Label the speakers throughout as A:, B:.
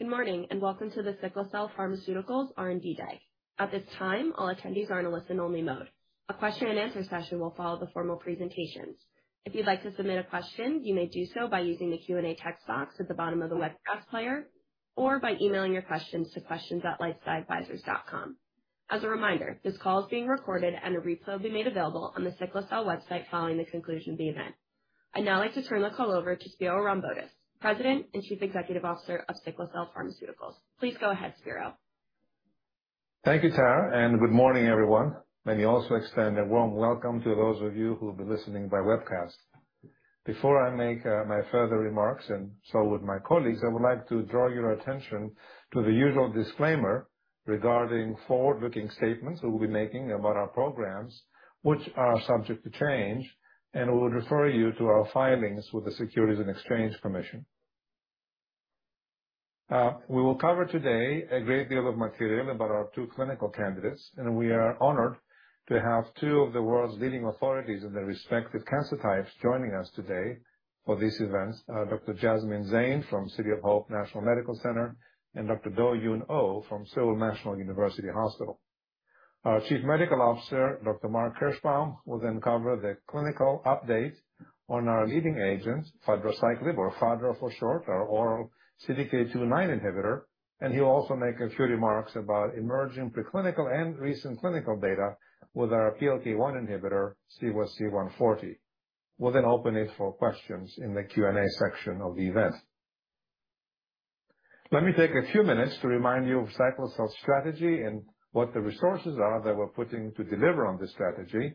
A: Good morning, and welcome to the Cyclacel Pharmaceuticals R&D Day. At this time, all attendees are in a listen-only mode. A question and answer session will follow the formal presentations. If you'd like to submit a question, you may do so by using the Q&A text box at the bottom of the webcast player or by emailing your questions to questions@lifesciadvisors.com. As a reminder, this call is being recorded and a replay will be made available on the Cyclacel website following the conclusion of the event. I'd now like to turn the call over to Spiro Rombotis, President and Chief Executive Officer of Cyclacel Pharmaceuticals. Please go ahead, Spiro.
B: Thank you, Tara, and good morning, everyone. Let me also extend a warm welcome to those of you who will be listening by webcast. Before I make my further remarks, and so with my colleagues, I would like to draw your attention to the usual disclaimer regarding forward-looking statements that we'll be making about our programs, which are subject to change, and I would refer you to our filings with the Securities and Exchange Commission. We will cover today a great deal of material about our two clinical candidates, and we are honored to have two of the world's leading authorities in their respective cancer types joining us today for this event. Dr. Jasmine Zain from City of Hope National Medical Center, and Dr. Do-Youn Oh from Seoul National University Hospital. Our Chief Medical Officer, Dr. Mark Kirschbaum will then cover the clinical update on our leading agent, fadraciclib, or Fadra for short, our oral CDK2/9 inhibitor. He'll also make a few remarks about emerging preclinical and recent clinical data with our PLK1 inhibitor, CYC140. We'll then open it for questions in the Q&A section of the event. Let me take a few minutes to remind you of Cyclacel's strategy and what the resources are that we're putting to deliver on this strategy.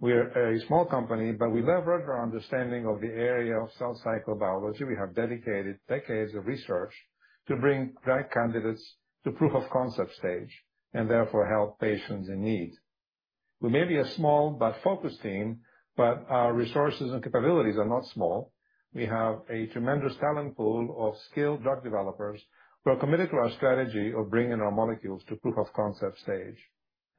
B: We are a small company, but we leverage our understanding of the area of cell cycle biology. We have dedicated decades of research to bring drug candidates to proof of concept stage and therefore help patients in need. We may be a small but focused team, but our resources and capabilities are not small. We have a tremendous talent pool of skilled drug developers who are committed to our strategy of bringing our molecules to proof of concept stage.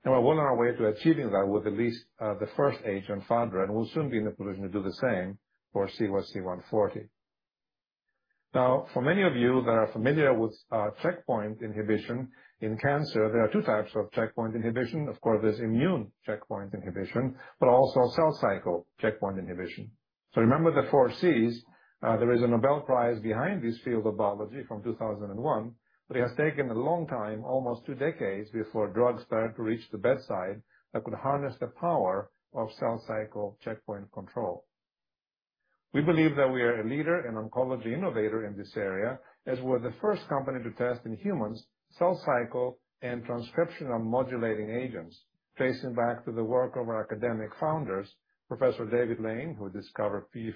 B: We're well on our way to achieving that with at least the first agent, Fadra, and we'll soon be in the position to do the same for CYC140. Now, for many of you that are familiar with checkpoint inhibition in cancer, there are two types of checkpoint inhibition. Of course, there's immune checkpoint inhibition, but also cell cycle checkpoint inhibition. Remember the four Cs. There is a Nobel Prize behind this field of biology from 2001, but it has taken a long time, almost two decades, before drugs started to reach the bedside that could harness the power of cell cycle checkpoint control. We believe that we are a leader and oncology innovator in this area, as we're the first company to test in humans cell cycle and transcriptional modulating agents, tracing back to the work of our academic founders, Professor David Lane, who discovered p53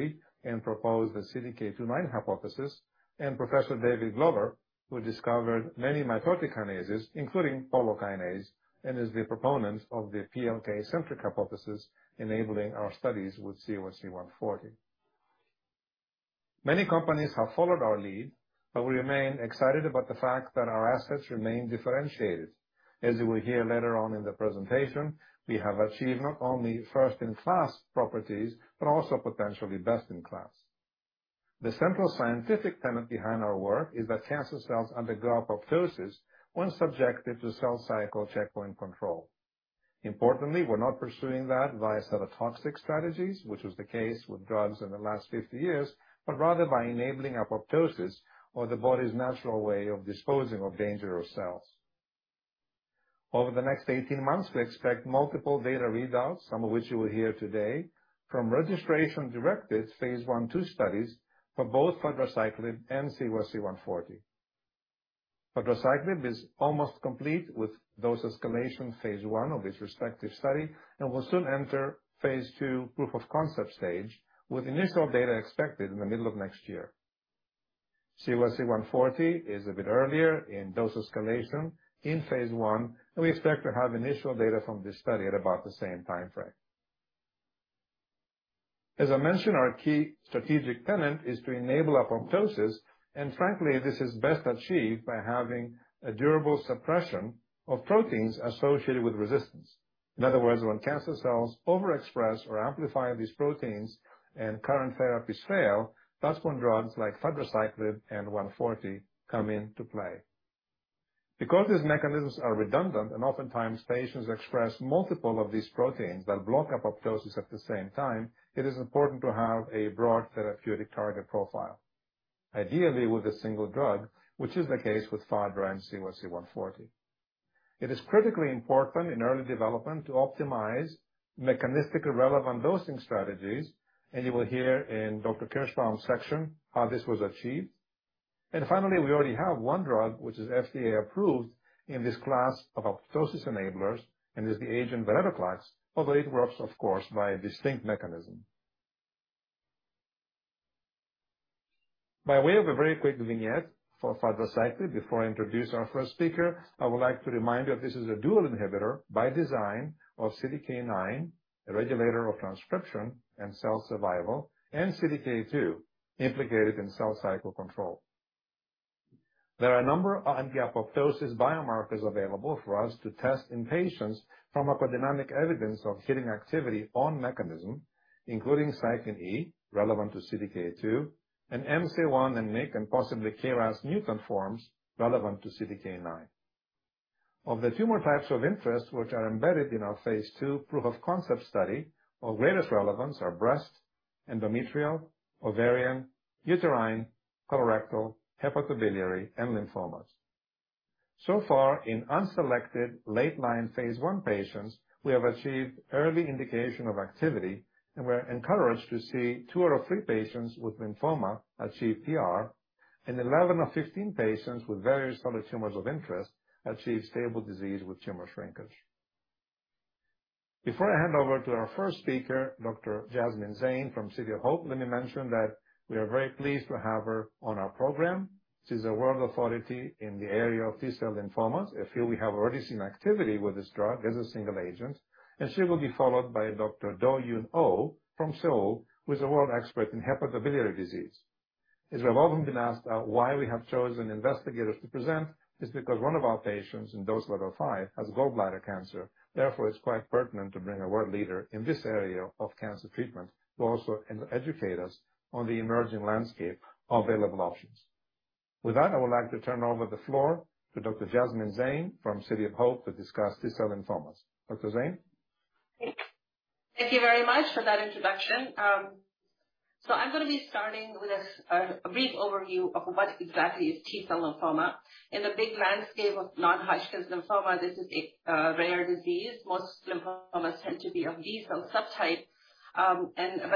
B: and proposed the CDK2/9 hypothesis, and Professor David Glover, who discovered many mitotic kinases, including polo kinase, and is the proponent of the PLK-centric hypothesis, enabling our studies with CYC140. Many companies have followed our lead, but we remain excited about the fact that our assets remain differentiated. As you will hear later on in the presentation, we have achieved not only first-in-class properties, but also potentially best-in-class. The central scientific tenet behind our work is that cancer cells undergo apoptosis when subjected to cell cycle checkpoint control. Importantly, we're not pursuing that via cytotoxic strategies, which was the case with drugs in the last 50 years, but rather by enabling apoptosis or the body's natural way of disposing of dangerous cells. Over the next 18 months, we expect multiple data readouts, some of which you will hear today, from registration-directed phase I/II studies for both fadraciclib and CYC140. Fadraciclib is almost complete with dose escalation phase I of its respective study and will soon enter phase II proof of concept stage with initial data expected in the middle of next year. CYC140 is a bit earlier in dose escalation in phase I, and we expect to have initial data from this study at about the same timeframe. As I mentioned, our key strategic tenet is to enable apoptosis, and frankly, this is best achieved by having a durable suppression of proteins associated with resistance. In other words, when cancer cells overexpress or amplify these proteins and current therapies fail, that's when drugs like fadraciclib and CYC140 come into play. Because these mechanisms are redundant and oftentimes patients express multiple of these proteins that block apoptosis at the same time, it is important to have a broad therapeutic target profile, ideally with a single drug, which is the case with Fadra and CYC140. It is critically important in early development to optimize mechanistically relevant dosing strategies, and you will hear in Dr. Kirschbaum's section how this was achieved. Finally, we already have one drug, which is FDA-approved, in this class of apoptosis enablers, and is the agent venetoclax, although it works, of course, by a distinct mechanism. By way of a very quick vignette for fadraciclib, before I introduce our first speaker, I would like to remind you that this is a dual inhibitor by design of CDK9, a regulator of transcription and cell survival, and CDK2, implicated in cell cycle control. There are a number of anti-apoptosis biomarkers available for us to test in patients from pharmacodynamic evidence of killing activity on mechanism, including cyclin E, relevant to CDK2, and Mcl-1 and MYC, and possibly KRAS mutant forms relevant to CDK9. Of the tumor types of interest which are embedded in our phase II proof of concept study, of greatest relevance are breast, endometrial, ovarian, uterine, colorectal, hepatobiliary, and lymphomas. So far, in unselected late-line phase I patients, we have achieved early indication of activity and we're encouraged to see two out of three patients with lymphoma achieve PR, and 11 of 15 patients with various solid tumors of interest achieve stable disease with tumor shrinkage. Before I hand over to our first speaker, Dr. Jasmine Zain from City of Hope, let me mention that we are very pleased to have her on our program. She's a world authority in the area of T-cell lymphomas, a field we have already seen activity with this drug as a single agent. She will be followed by Dr. Do-Youn Oh from Seoul, who is a world expert in hepatobiliary disease. As we have often been asked why we have chosen investigators to present, it's because one of our patients in dose Level 5 has gallbladder cancer. Therefore, it's quite pertinent to bring a world leader in this area of cancer treatment to also educate us on the emerging landscape of available options. With that, I would like to turn over the floor to Dr. Jasmine Zain from City of Hope to discuss T-cell lymphomas. Dr. Zain?
C: Thank you very much for that introduction. I'm gonna be starting with a brief overview of what exactly is T-cell lymphoma. In the big landscape of non-Hodgkin lymphoma, this is a rare disease. Most lymphomas tend to be of B-cell subtype.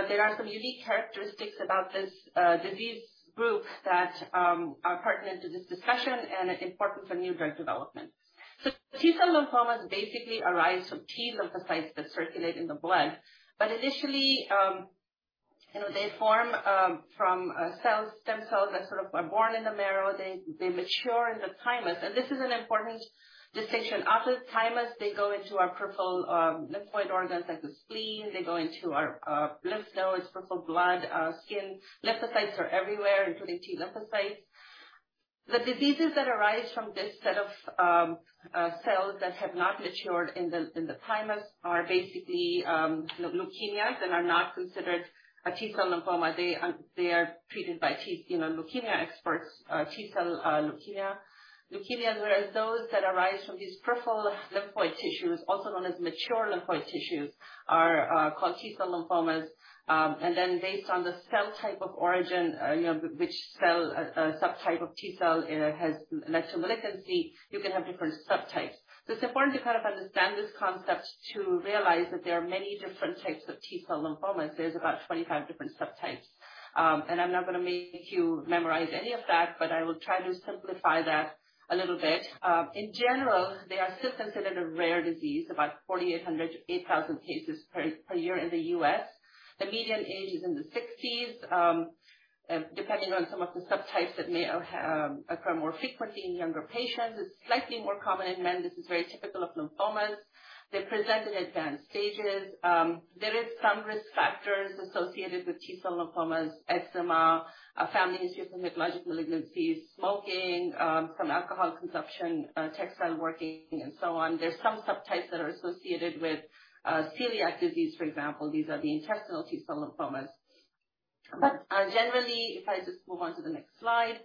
C: There are some unique characteristics about this disease group that are pertinent to this discussion and important for new drug development. T-cell lymphomas basically arise from T lymphocytes that circulate in the blood. Initially, you know, they form from stem cells that sort of are born in the marrow. They mature in the thymus. This is an important distinction. Out of thymus, they go into our peripheral lymphoid organs like the spleen. They go into our lymph nodes, peripheral blood, skin. Lymphocytes are everywhere, including T lymphocytes. The diseases that arise from this set of cells that have not matured in the thymus are basically leukemias that are not considered a T-cell lymphoma. They are treated by, you know, leukemia experts, T-cell leukemia. Leukemias are those that arise from these peripheral lymphoid tissues, also known as mature lymphoid tissues, called T-cell lymphomas. Then based on the cell type of origin, which cell subtype of T-cell has T-cell malignancy, you can have different subtypes. It's important to kind of understand this concept to realize that there are many different types of T-cell lymphomas. There's about 25 different subtypes. I'm not gonna make you memorize any of that, but I will try to simplify that a little bit. In general, they are still considered a rare disease, about 4,800–8,000 cases per year in the U.S. The median age is in the 60s, depending on some of the subtypes that may occur more frequently in younger patients. It's slightly more common in men. This is very typical of lymphomas. They present in advanced stages. There is some risk factors associated with T-cell lymphomas, asthma, family history of hematologic malignancies, smoking, some alcohol consumption, textile working and so on. There's some subtypes that are associated with celiac disease, for example. These are the intestinal T-cell lymphomas. Generally, if I just move on to the next slide.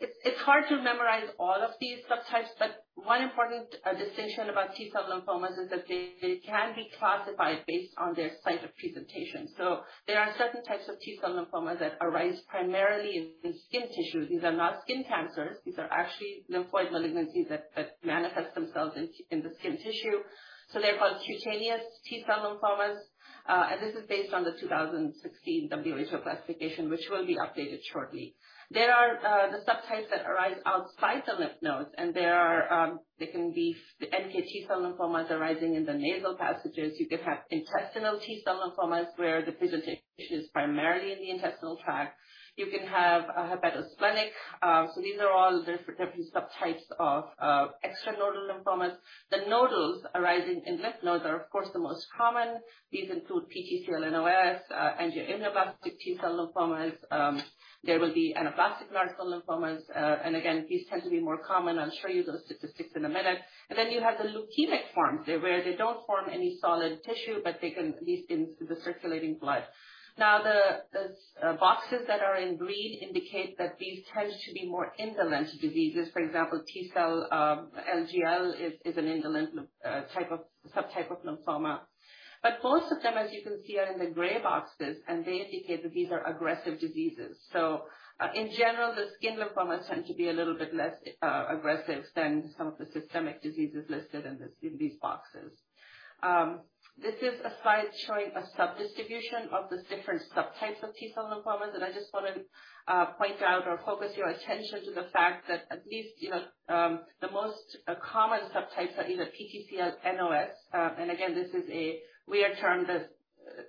C: It's hard to memorize all of these subtypes, but one important distinction about T-cell lymphomas is that they can be classified based on their site of presentation. There are certain types of T-cell lymphomas that arise primarily in skin tissues. These are not skin cancers. These are actually lymphoid malignancies that manifest themselves in the skin tissue. They're called cutaneous T-cell lymphomas. This is based on the 2016 WHO classification, which will be updated shortly. There are the subtypes that arise outside the lymph nodes, and they can be the NK/T-cell lymphomas arising in the nasal passages. You could have intestinal T-cell lymphomas where the presentation is primarily in the intestinal tract. You can have a hepatosplenic. These are all different subtypes of extranodal lymphomas. The nodal arising in lymph nodes are of course the most common. These include PTCL-NOS, angioimmunoblastic T-cell lymphomas. There will be anaplastic large cell lymphomas. Again, these tend to be more common. I'll show you those statistics in a minute. Then you have the leukemic forms, where they don't form any solid tissue, but they can live in the circulating blood. Now, the boxes that are in green indicate that these tend to be more indolent diseases. For example, T-cell LGL is an indolent subtype of lymphoma. Most of them, as you can see, are in the gray boxes, and they indicate that these are aggressive diseases. In general, the skin lymphomas tend to be a little bit less aggressive than some of the systemic diseases listed in these boxes. This is a slide showing a sub-distribution of these different subtypes of T-cell lymphomas. I just wanna point out or focus your attention to the fact that at least, you know, the most common subtypes are either PTCL-NOS. Again, this is a weird term that,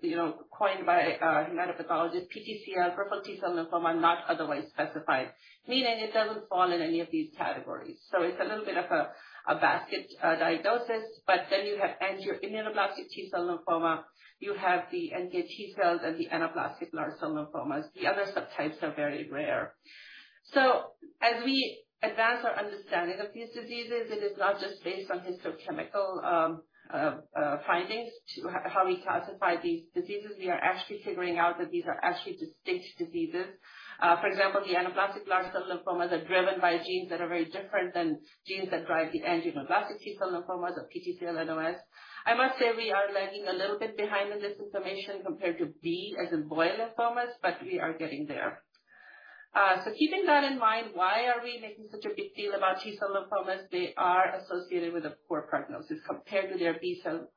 C: you know, coined by a hematopathologist. PTCL, peripheral T-cell lymphoma, not otherwise specified, meaning it doesn't fall in any of these categories. It's a little bit of a basket diagnosis. Then you have angioimmunoblastic T-cell lymphoma. You have the NK/T cells and the anaplastic large cell lymphomas. The other subtypes are very rare. As we advance our understanding of these diseases, it is not just based on histochemical findings to how we classify these diseases. We are actually figuring out that these are actually distinct diseases. For example, the anaplastic large cell lymphomas are driven by genes that are very different than genes that drive the angioimmunoblastic T-cell lymphomas or PTCL-NOS. I must say we are lagging a little bit behind in this information compared to B-cell lymphomas, but we are getting there. Keeping that in mind, why are we making such a big deal about T-cell lymphomas? They are associated with a poor prognosis compared to their B-cell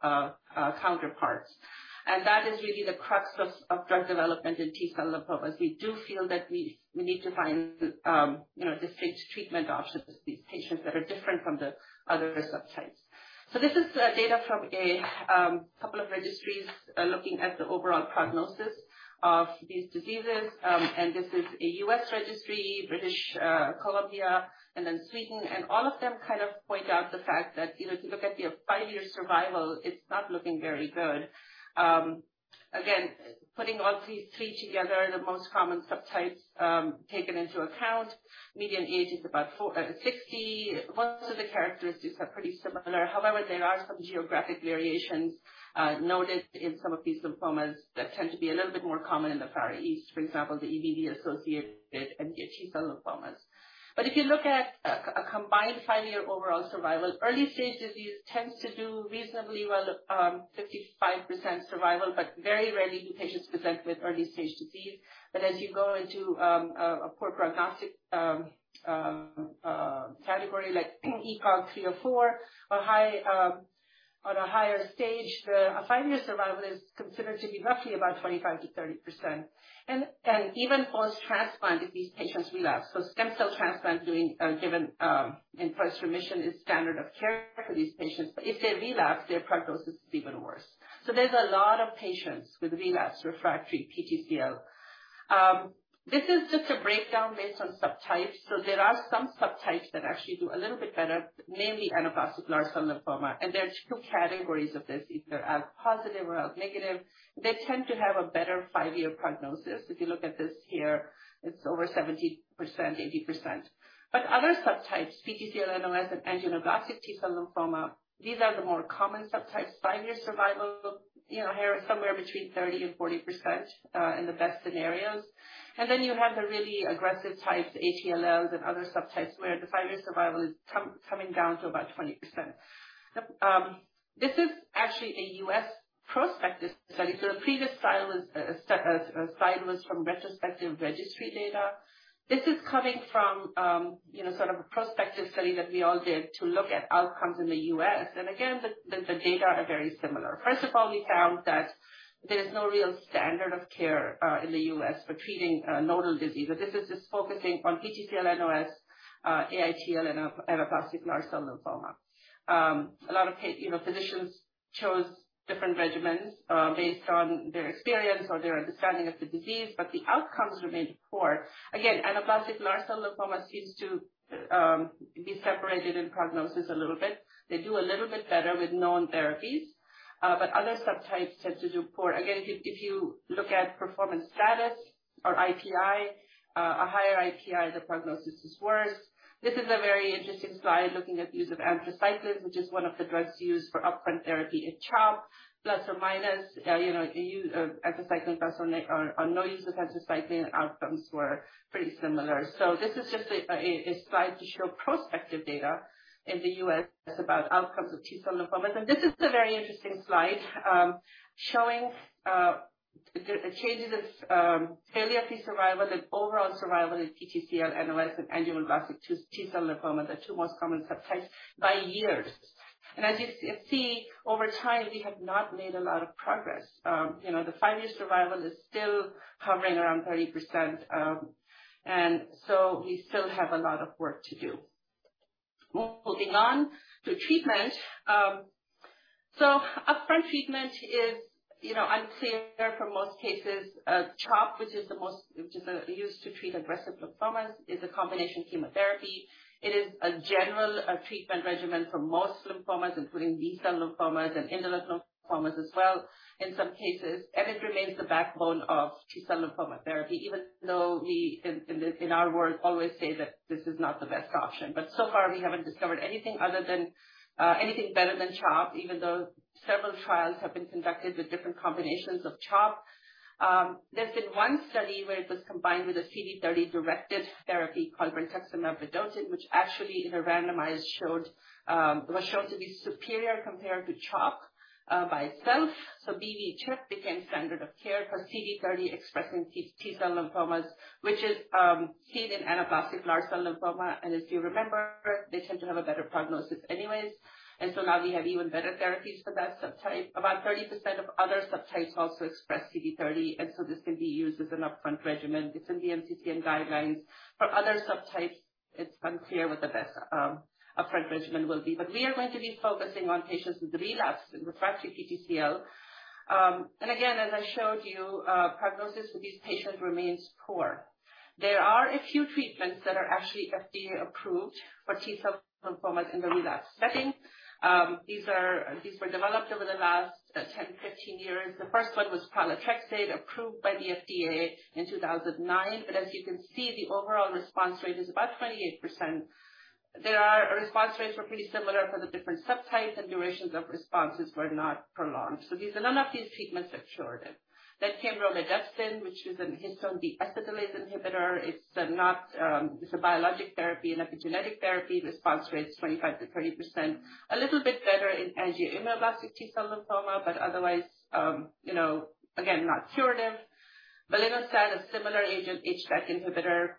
C: counterparts. That is really the crux of drug development in T-cell lymphomas. We do feel that we need to find, you know, distinct treatment options for these patients that are different from the other subtypes. This is data from a couple of registries looking at the overall prognosis of these diseases. This is a U.S. registry, British Columbia, and then Sweden. All of them kind of point out the fact that, you know, if you look at their five-year survival, it's not looking very good. Again, putting all these three together, the most common subtypes, taken into account, median age is about 60. Most of the characteristics are pretty similar. However, there are some geographic variations, noted in some of these lymphomas that tend to be a little bit more common in the Far East, for example, the EBV-associated and the T-cell lymphomas. If you look at a combined five-year overall survival, early-stage disease tends to do reasonably well, 55% survival, but very rarely do patients present with early stage disease. As you go into a poor prognostic category like ECOG 3 or 4 or high on a higher stage, the five-year survival is considered to be roughly about 25%-30%. Even post-transplant, if these patients relapse. Stem cell transplant given in post remission is standard of care for these patients. If they relapse, their prognosis is even worse. There's a lot of patients with relapsed refractory PTCL. This is just a breakdown based on subtypes. There are some subtypes that actually do a little bit better, mainly anaplastic large cell lymphoma. There are two categories of this, either ALK-positive or ALK-negative. They tend to have a better five-year prognosis. If you look at this here, it's over 70%, 80%. Other subtypes, PTCL-NOS and angioimmunoblastic T-cell lymphoma, these are the more common subtypes. Five-year survival here is somewhere between 30% and 40% in the best scenarios. Then you have the really aggressive types, ATLLs and other subtypes, where the five-year survival is coming down to about 20%. This is actually a U.S. prospective study. The previous slide was from retrospective registry data. This is coming from sort of a prospective study that we all did to look at outcomes in the U.S. Again, the data are very similar. First of all, we found that there's no real standard of care in the U.S. for treating nodal disease. This is just focusing on PTCL-NOS, AITL, and anaplastic large cell lymphoma. A lot of, you know, physicians chose different regimens based on their experience or their understanding of the disease, but the outcomes remained poor. Again, anaplastic large cell lymphomas seems to be separated in prognosis a little bit. They do a little bit better with known therapies, but other subtypes tend to do poor. Again, if you look at performance status or IPI, a higher IPI, the prognosis is worse. This is a very interesting slide looking at use of anthracycline, which is one of the drugs used for upfront therapy in CHOP, plus or minus, you know, anthracycline plus or no use of anthracycline, outcomes were pretty similar. This is just a slide to show prospective data in the U.S. about outcomes of T-cell lymphomas. This is a very interesting slide, showing the changes of failure-free survival and overall survival in PTCL-NOS and angioimmunoblastic T-cell lymphoma, the two most common subtypes, by years. As you see, over time, we have not made a lot of progress. You know, the five-year survival is still hovering around 30%, and so, we still have a lot of work to do. Moving on to treatment. Upfront treatment is, you know, unclear for most cases. CHOP, which is used to treat aggressive lymphomas, is a combination chemotherapy. It is a general treatment regimen for most lymphomas, including B-cell lymphomas and indolent lymphomas as well in some cases, and it remains the backbone of T-cell lymphoma therapy, even though we, in our world, always say that this is not the best option. So far, we haven't discovered anything other than anything better than CHOP, even though several trials have been conducted with different combinations of CHOP. There's been one study where it was combined with a CD30-directed therapy called brentuximab vedotin, which actually in the randomized, was shown to be superior compared to CHOP by itself. BV-CHP became standard of care for CD30-expressing T-cell lymphomas, which is seen in anaplastic large cell lymphoma. As you remember, they tend to have a better prognosis anyways. Now we have even better therapies for that subtype. About 30% of other subtypes also express CD30, and so this can be used as an upfront regimen. It's in the NCCN guidelines. For other subtypes, it's unclear what the best upfront regimen will be. We are going to be focusing on patients with relapsed and refractory PTCL. Again, as I showed you, prognosis for these patients remains poor. There are a few treatments that are actually FDA approved for T-cell lymphomas in the relapse setting. These were developed over the last 10, 15 years. The first one was pralatrexate, approved by the FDA in 2009. As you can see, the overall response rate is about 28%. Response rates were pretty similar for the different subtypes, and durations of responses were not prolonged. None of these treatments are curative. Then came romidepsin, which is a histone deacetylase inhibitor. It's a biologic therapy, an epigenetic therapy. Response rate is 25%-30%. A little bit better in angioimmunoblastic T-cell lymphoma, but otherwise, you know, again, not curative. belinostat, a similar agent, HDAC inhibitor.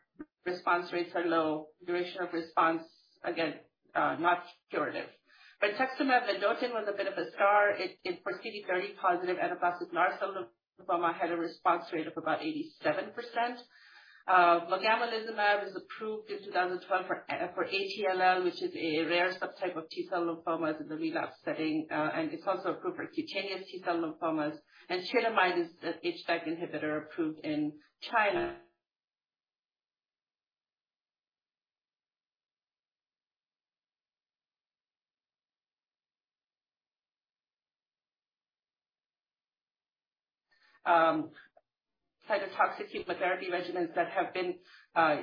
C: Response rates are low. Duration of response, again, not curative. Brentuximab vedotin was a bit of a star. It for CD30 positive anaplastic large cell lymphoma had a response rate of about 87%. Mogamulizumab was approved in 2012 for ATLL, which is a rare subtype of T-cell lymphomas in the relapse setting. It's also approved for cutaneous T-cell lymphomas. Chidamide is an HDAC inhibitor approved in China. Cytotoxic chemotherapy regimens that have been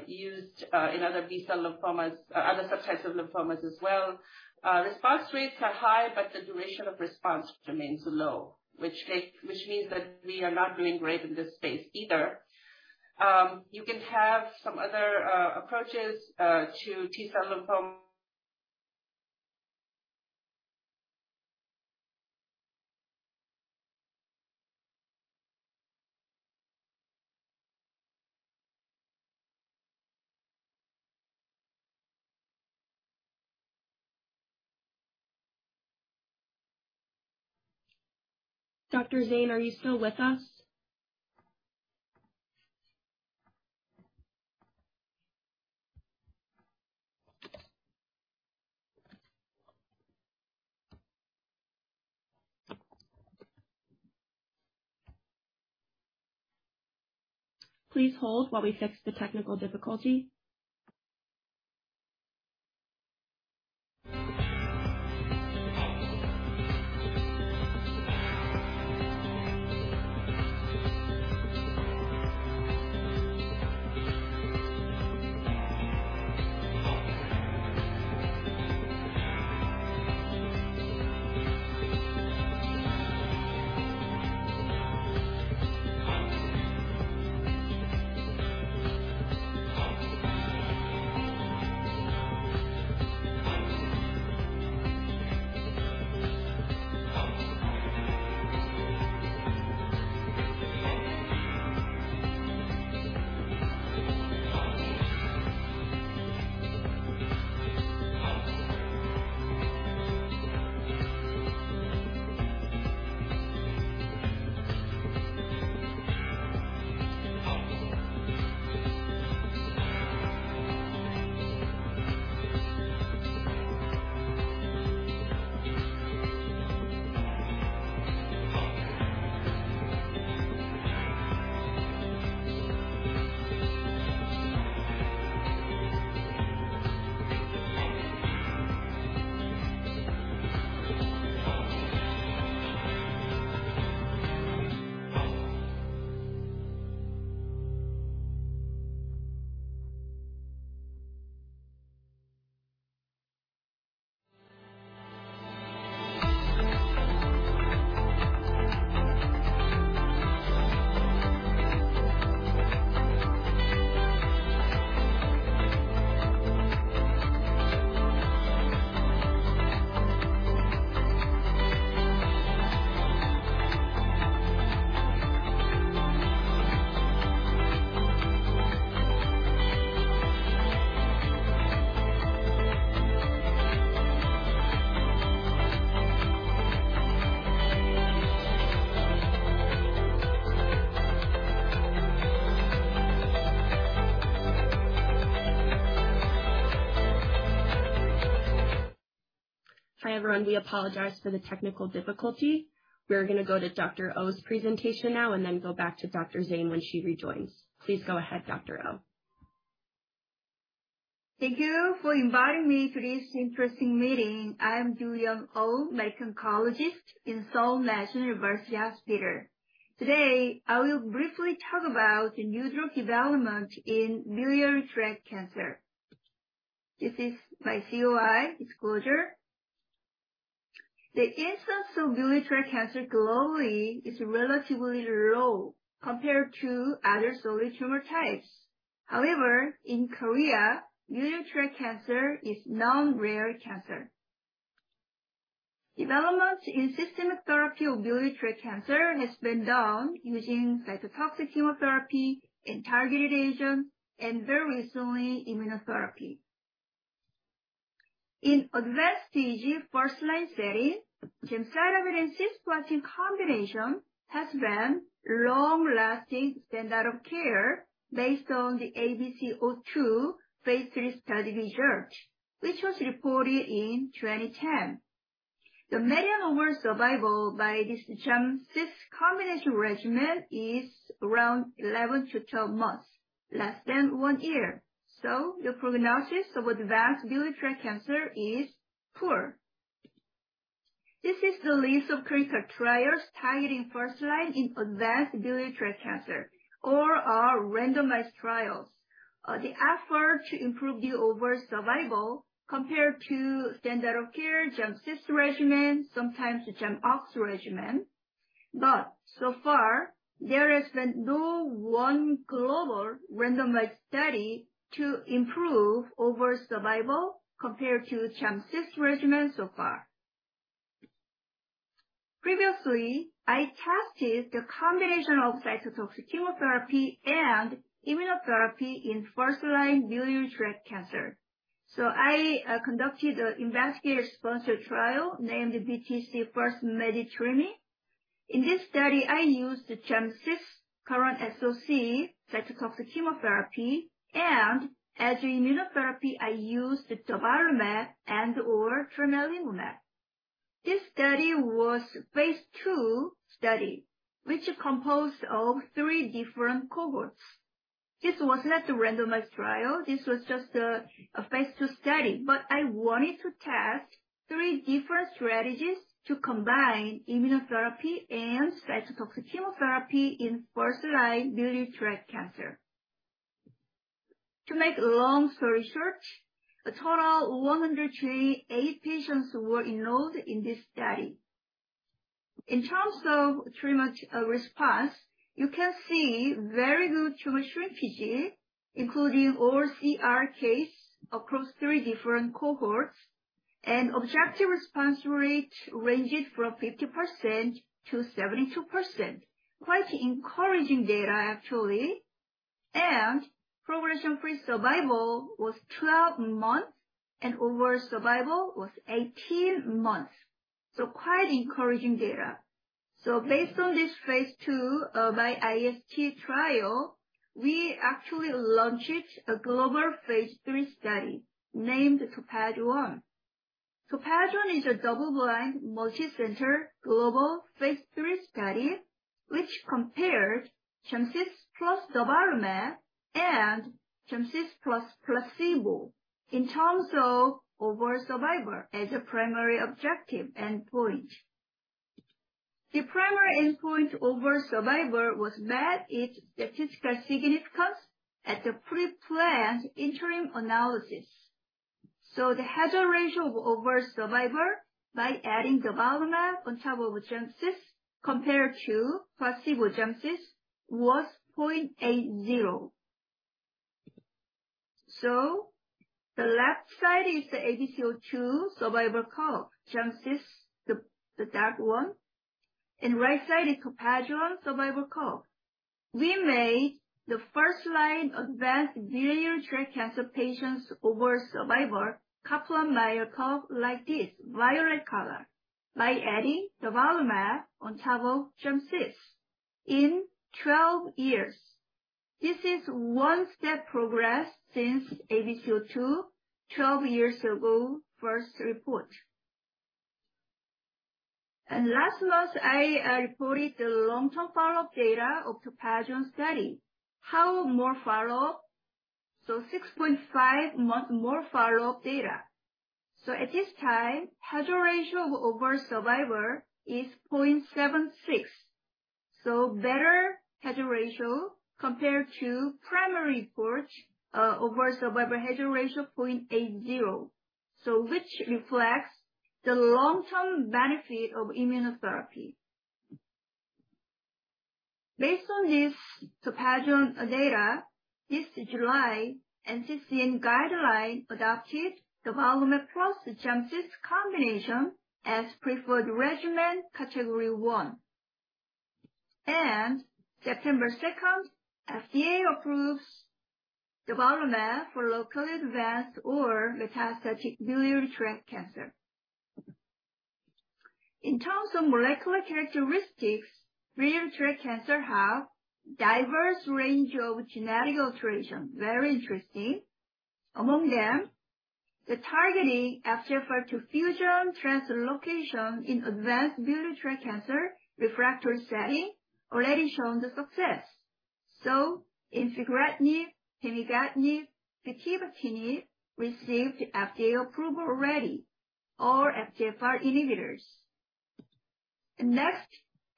C: used in other B-cell lymphomas, other subtypes of lymphomas as well.
A: Response rates are high, but the duration of response remains low, which means that we are not doing great in this space either. You can have some other approaches to T-cell lymphoma. Dr. Zain, are you still with us? Please hold while we fix the technical difficulty. Hi, everyone. We apologize for the technical difficulty. We are gonna go to Dr. Oh's presentation now and then go back to Dr. Zain when she rejoins. Please go ahead, Dr. Oh.
D: Thank you for inviting me to this interesting meeting. I'm Do-Youn Oh, medical oncologist in Seoul National University Hospital. Today, I will briefly talk about the new drug development in biliary tract cancer. This is my COI disclosure. The incidence of biliary tract cancer globally is relatively low compared to other solid tumor types. However, in Korea, biliary tract cancer is non-rare cancer. Developments in systemic therapy of biliary tract cancer has been done using cytotoxic chemotherapy and targeted agent and very recently, immunotherapy. In advanced stage first line setting, gemcitabine cisplatin combination has been long-lasting standard of care based on the ABC-02 phase III study research. Which was reported in 2010. The median overall survival by this GemCis combination regimen is around 11-12 months, less than one year. The prognosis of advanced biliary tract cancer is poor. This is the list of current trials targeting first line in advanced biliary tract cancer or randomized trials. The effort to improve the overall survival compared to standard of care, GemCis regimen, sometimes the GEMOX regimen. So far there has been no one global randomized study to improve overall survival compared to GemCis regimen so far. Previously, I tested the combination of cytotoxic chemotherapy and immunotherapy in first-line biliary tract cancer. I conducted a investigator-sponsored trial named BTC first-line treatment. In this study, I used the GemCis current SOC cytotoxic chemotherapy and as immunotherapy, I used the durvalumab and or tremelimumab. This study was phase II study, which is composed of three different cohorts. This was not a randomized trial, this was just a phase II study, but I wanted to test three different strategies to combine immunotherapy and cytotoxic chemotherapy in first-line biliary tract cancer. To make a long story short, a total 128 patients were enrolled in this study. In terms of treatment response, you can see very good tumor shrinkage, including all CR case across three different cohorts. Objective response rate ranged from 50%-72%. Quite encouraging data actually. Progression-free survival was 12 months and overall survival was 18 months. Quite encouraging data. Based on this phase II by IST trial, we actually launched a global phase III study named TOPAZ-1. TOPAZ-1 is a double-blind, multicenter global phase III study, which compared GemCis plus durvalumab and GemCis plus placebo in terms of overall survival as a primary objective endpoint. The primary endpoint overall survival was met its statistical significance at the pre-planned interim analysis. The hazard ratio of overall survival by adding durvalumab on top of GemCis compared to placebo GemCis was 0.80. The left side is the ABC-02 survival curve. GemCis, the dark one, and right side is TOPAZ-1 survival curve. We made the first-line advanced biliary tract cancer patients overall survival Kaplan-Meier curve like this, violet color, by adding durvalumab on top of GemCis in 12 years. This is one step progress since ABC-02, 12 years ago first report. Last month, I reported the long-term follow-up data of TOPAZ-1 study. How more follow-up? 6.5 more follow-up data. At this time, hazard ratio of overall survival is 0.76. Better hazard ratio compared to primary report, overall survival hazard ratio 0.80. Which reflects the long-term benefit of immunotherapy. Based on this TOPAZ-1 data, this July NCCN guideline adopted durvalumab plus GemCis combination as preferred regimen category one. September 2nd, FDA approves durvalumab for locally advanced or metastatic biliary tract cancer. In terms of molecular characteristics, biliary tract cancer have diverse range of genetic alteration. Very interesting. Among them, the targeting FGFR2 fusion translocation in advanced biliary tract cancer refractory setting already shown the success. Infigratinib, pemigatinib, futibatinib received FDA approval already, all FGFR inhibitors. Next,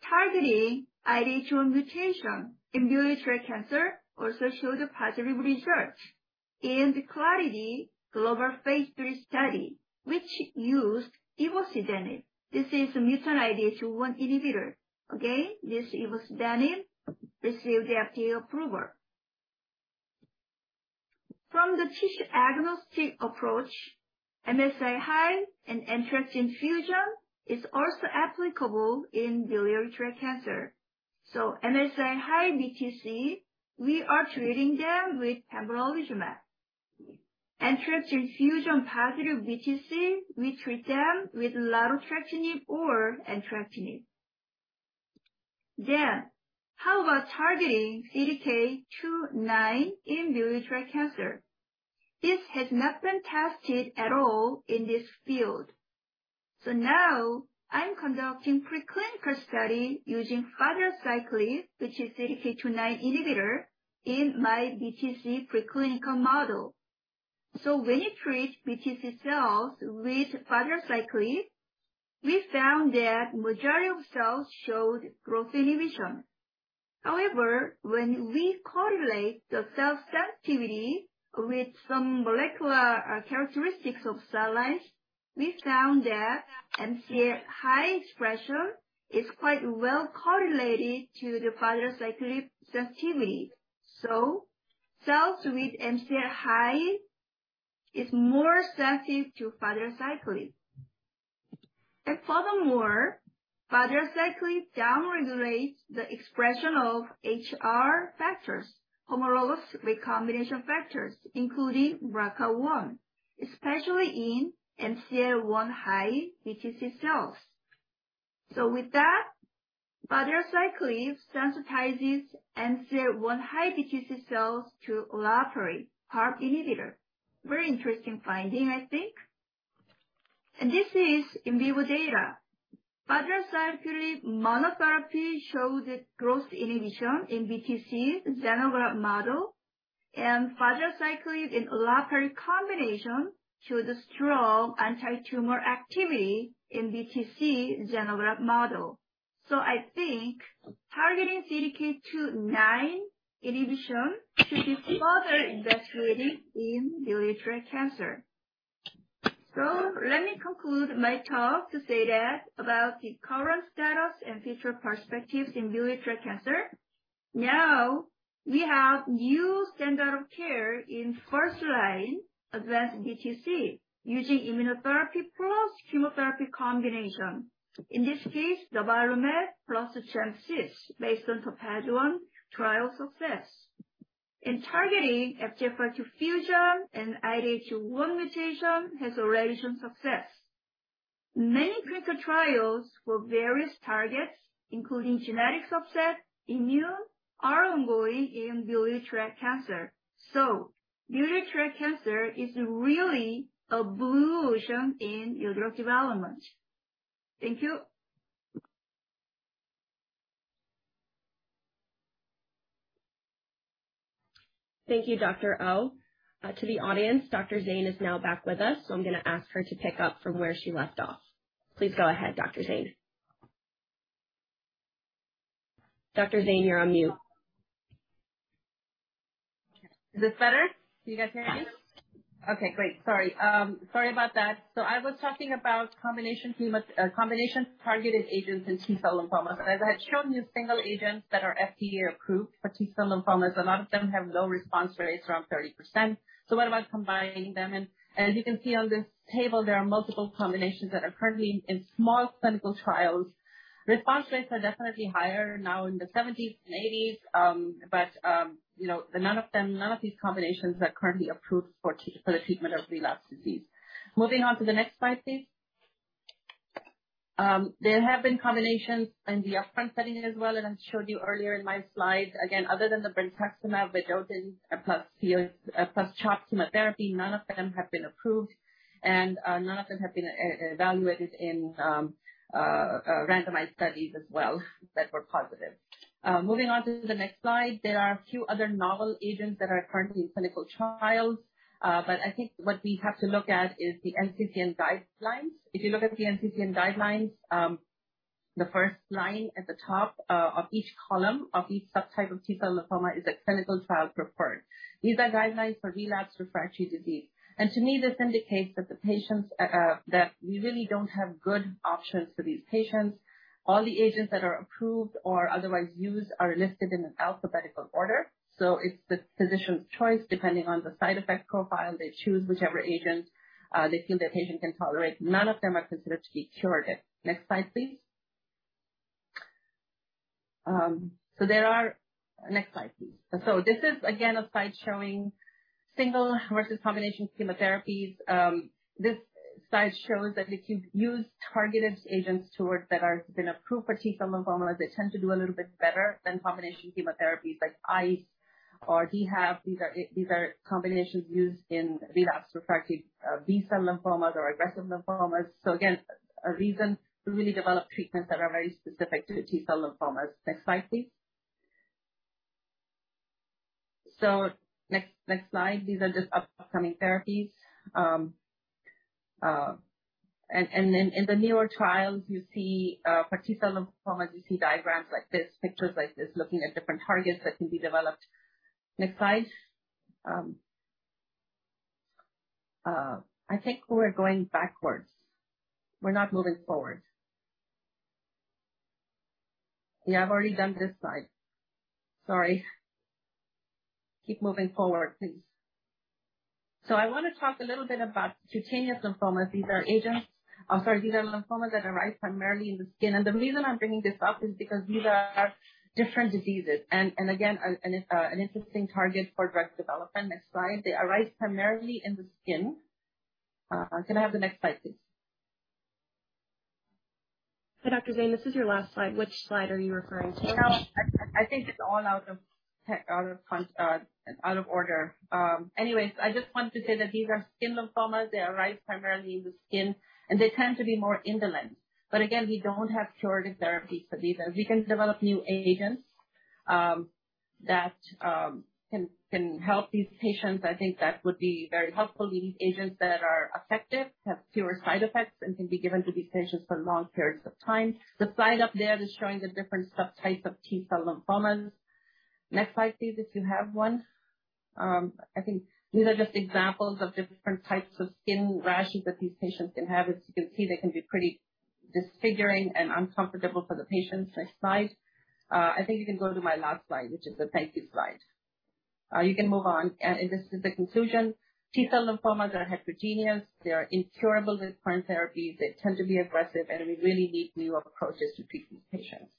D: targeting IDH1 mutation in biliary tract cancer also showed a positive result in the ClarIDHy global phase III study, which used ivosidenib. This is a mutant IDH1 inhibitor. Again, this ivosidenib received FDA approval. From the tissue-agnostic approach, MSI-high and NTRK fusion is also applicable in biliary tract cancer. MSI-high BTC, we are treating them with pembrolizumab. NTRK fusion positive BTC, we treat them with larotrectinib or entrectinib. How about targeting CDK 2/9 in biliary tract cancer? This has not been tested at all in this field. Now I'm conducting preclinical study using fadraciclib, which is CDK 2/9 inhibitor in my BTC preclinical model. When you treat BTC cells with fadraciclib, we found that majority of cells showed growth inhibition. However, when we correlate the cell sensitivity with some molecular characteristics of cell lines, we found that Mcl-1 high expression is quite well correlated to the fadraciclib sensitivity. Cells with Mcl-1 high is more sensitive to fadraciclib. Furthermore, fadraciclib down-regulates the expression of HR factors, homologous recombination factors, including BRCA1, especially in Mcl-1 high BTC cells. With that, fadraciclib sensitizes Mcl-1 high BTC cells to olaparib, PARP inhibitor. Very interesting finding, I think. This is in vivo data. Fadraciclib monotherapy shows growth inhibition in BTC xenograft model and fadraciclib in olaparib combination shows strong antitumor activity in BTC xenograft model. I think targeting CDK2/9 inhibition should be further investigated in biliary tract cancer. Let me conclude my talk to say that about the current status and future perspectives in biliary tract cancer. Now, we have new standard of care in first line advanced BTC using immunotherapy plus chemotherapy combination. In this case, durvalumab plus GemCis based on TOPAZ-1 trial success. In targeting FGFR2 fusion and IDH1 mutation has already shown success. Many clinical trials for various targets, including genetic subset immune, are ongoing in biliary tract cancer. Biliary tract cancer is really a blue ocean in drug development. Thank you.
A: Thank you, Dr. Oh. To the audience, Dr. Zain is now back with us, so I'm gonna ask her to pick up from where she left off. Please go ahead, Dr. Zain. Dr. Zain, you're on mute.
C: Is this better? Can you guys hear me? Okay, great. Sorry. Sorry about that. I was talking about combination targeted agents in T-cell lymphomas. As I had shown you, single agents that are FDA-approved for T-cell lymphomas, a lot of them have low response rates, around 30%. What about combining them? You can see on this table, there are multiple combinations that are currently in small clinical trials. Response rates are definitely higher now in the 70s and 80s. You know, none of these combinations are currently approved for the treatment of relapsed disease. Moving on to the next slide, please. There have been combinations in the upfront setting as well. I showed you earlier in my slides. Again, other than the brentuximab vedotin plus CHOP chemotherapy, none of them have been approved, and none of them have been evaluated in randomized studies as well, that were positive. Moving on to the next slide. There are a few other novel agents that are currently in clinical trials. I think what we have to look at is the NCCN guidelines. If you look at the NCCN guidelines, the first line at the top of each column of each subtype of T-cell lymphoma, is a clinical trial preferred. These are guidelines for relapsed refractory disease. To me, this indicates that the patients, that we really don't have good options for these patients. All the agents that are approved or otherwise used are listed in an alphabetical order. It's the physician's choice. Depending on the side effect profile, they choose whichever agent they feel the patient can tolerate. None of them are considered to be curative. Next slide, please. Next slide, please. This is again a slide showing single versus combination chemotherapies. This slide shows that if you use targeted agents that have been approved for T-cell lymphomas, they tend to do a little bit better than combination chemotherapies like ICE or DHAP. These are combinations used in relapsed refractory B-cell lymphomas or aggressive lymphomas. Again, a reason to really develop treatments that are very specific to the T-cell lymphomas. Next slide, please. Next slide. These are just upcoming therapies. In the newer trials you see for T-cell lymphomas, you see diagrams like this, pictures like this, looking at different targets that can be developed. Next slide. I think we're going backwards. We're not moving forward. Yeah, I've already done this slide. Sorry. Keep moving forward, please. I wanna talk a little bit about cutaneous lymphomas. These are lymphomas that arise primarily in the skin. The reason I'm bringing this up is because these are different diseases and again, an interesting target for drug development. Next slide. They arise primarily in the skin. Can I have the next slide, please?
A: Dr. Zain, this is your last slide. Which slide are you referring to?
C: You know, I think it's all out of order. Anyways, I just want to say that these are skin lymphomas. They arise primarily in the skin, and they tend to be more indolent. Again, we don't have curative therapies for these, and we can develop new agents that can help these patients. I think that would be very helpful. We need agents that are effective, have fewer side effects, and can be given to these patients for long periods of time. The slide up there is showing the different subtypes of T-cell lymphomas. Next slide, please, if you have one. I think these are just examples of different types of skin rashes that these patients can have. As you can see, they can be pretty disfiguring and uncomfortable for the patients. Next slide. I think you can go to my last slide, which is the thank you slide. You can move on. This is the conclusion. T-cell lymphomas are heterogeneous. They are incurable with current therapies. They tend to be aggressive, and we really need new approaches to treat these patients.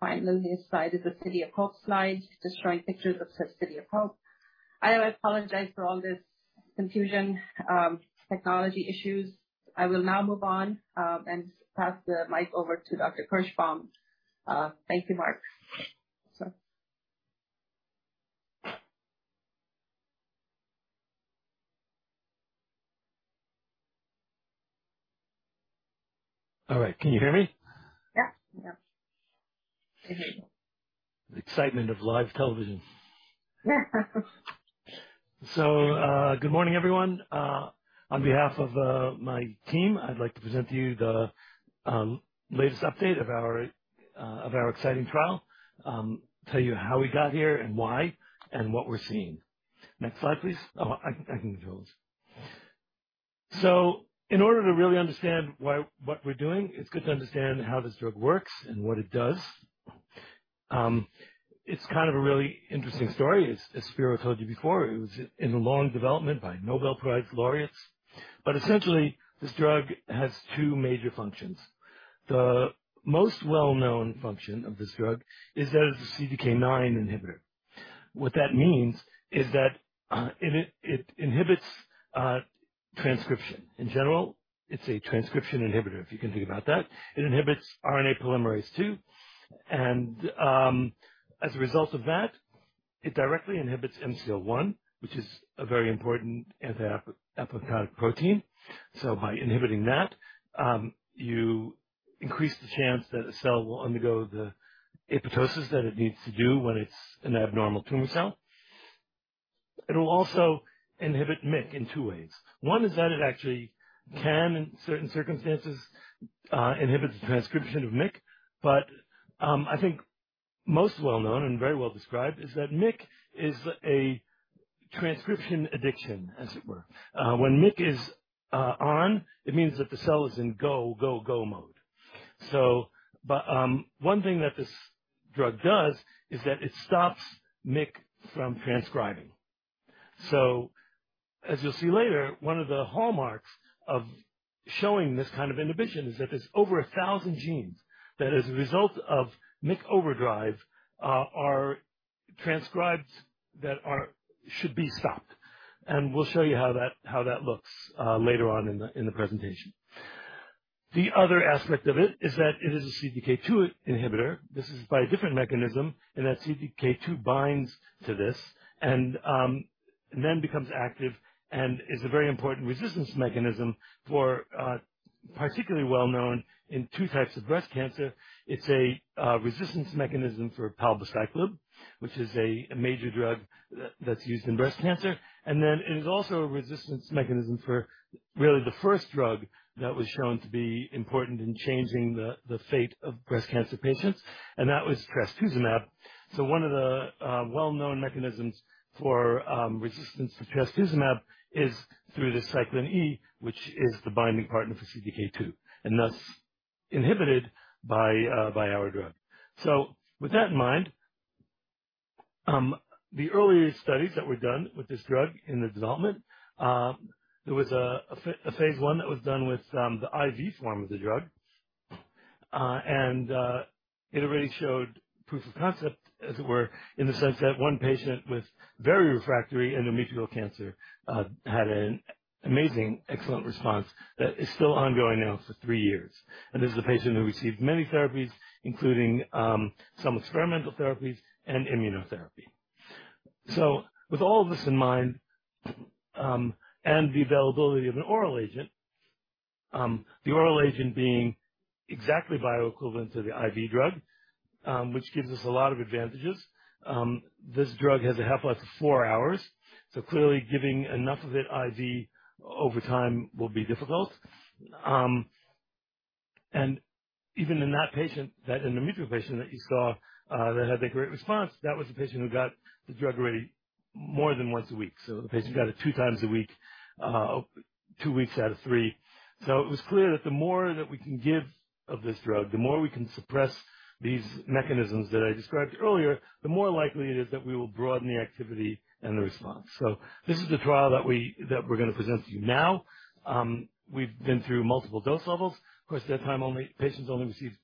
C: Finally, this slide is a City of Hope slide. Just showing pictures of said City of Hope. I apologize for all this confusion, technology issues. I will now move on, and pass the mic over to Dr. Kirschbaum. Thank you, Mark.
E: All right. Can you hear me?
C: Yeah. Yeah. We hear you.
E: The excitement of live television. Good morning, everyone. On behalf of my team, I'd like to present to you the latest update of our exciting trial. Tell you how we got here and why, and what we're seeing. Next slide, please. I can control this. In order to really understand what we're doing, it's good to understand how this drug works and what it does. It's kind of a really interesting story. As Spiro told you before, it was in long development by Nobel Prize laureates. Essentially, this drug has two major functions. The most well-known function of this drug is that it's a CDK9 inhibitor. What that means is that it inhibits transcription. In general, it's a transcription inhibitor, if you can think about that. It inhibits RNA polymerase II. As a result of that, it directly inhibits Mcl-1, which is a very important anti-apoptotic protein. By inhibiting that, you increase the chance that a cell will undergo the apoptosis that it needs to do when it's an abnormal tumor cell. It'll also inhibit MYC in two ways. One is that it actually can, in certain circumstances, inhibit the transcription of MYC. I think most well-known and very well described is that MYC is a transcription addiction, as it were. When MYC is on, it means that the cell is in go, go mode. One thing that this drug does is that it stops MYC from transcribing. As you'll see later, one of the hallmarks of showing this kind of inhibition is that there's over 1,000 genes that, as a result of MYC overdrive, are transcribed, that should be stopped. We'll show you how that looks later on in the presentation. The other aspect of it is that it is a CDK2 inhibitor. This is by a different mechanism, in that CDK2 binds to this and then becomes active and is a very important resistance mechanism for, particularly well known, in two types of breast cancer. It's a resistance mechanism for palbociclib, which is a major drug that's used in breast cancer. It's also a resistance mechanism for really the first drug that was shown to be important in changing the fate of breast cancer patients, and that was trastuzumab. One of the well-known mechanisms for resistance to trastuzumab is through the Cyclin E, which is the binding partner for CDK2, and thus inhibited by our drug. With that in mind, the early studies that were done with this drug in the development, there was a phase I that was done with the IV form of the drug. It already showed proof of concept, as it were, in the sense that one patient with very refractory endometrial cancer had an amazing, excellent response that is still ongoing now for three years. This is a patient who received many therapies, including some experimental therapies and immunotherapy. With all of this in mind, and the availability of an oral agent, the oral agent being exactly bioequivalent to the IV drug, which gives us a lot of advantages. This drug has a half-life of four hours, so clearly giving enough of it IV over time will be difficult. And even in that patient, that in the initial patient that you saw, that had that great response, that was the patient who got the drug already more than once a week. The patient got it two times a week, two weeks out of three. It was clear that the more that we can give of this drug, the more we can suppress these mechanisms that I described earlier, the more likely it is that we will broaden the activity and the response. This is the trial that we're gonna present to you now. We've been through multiple dose levels. Of course, that time only patients received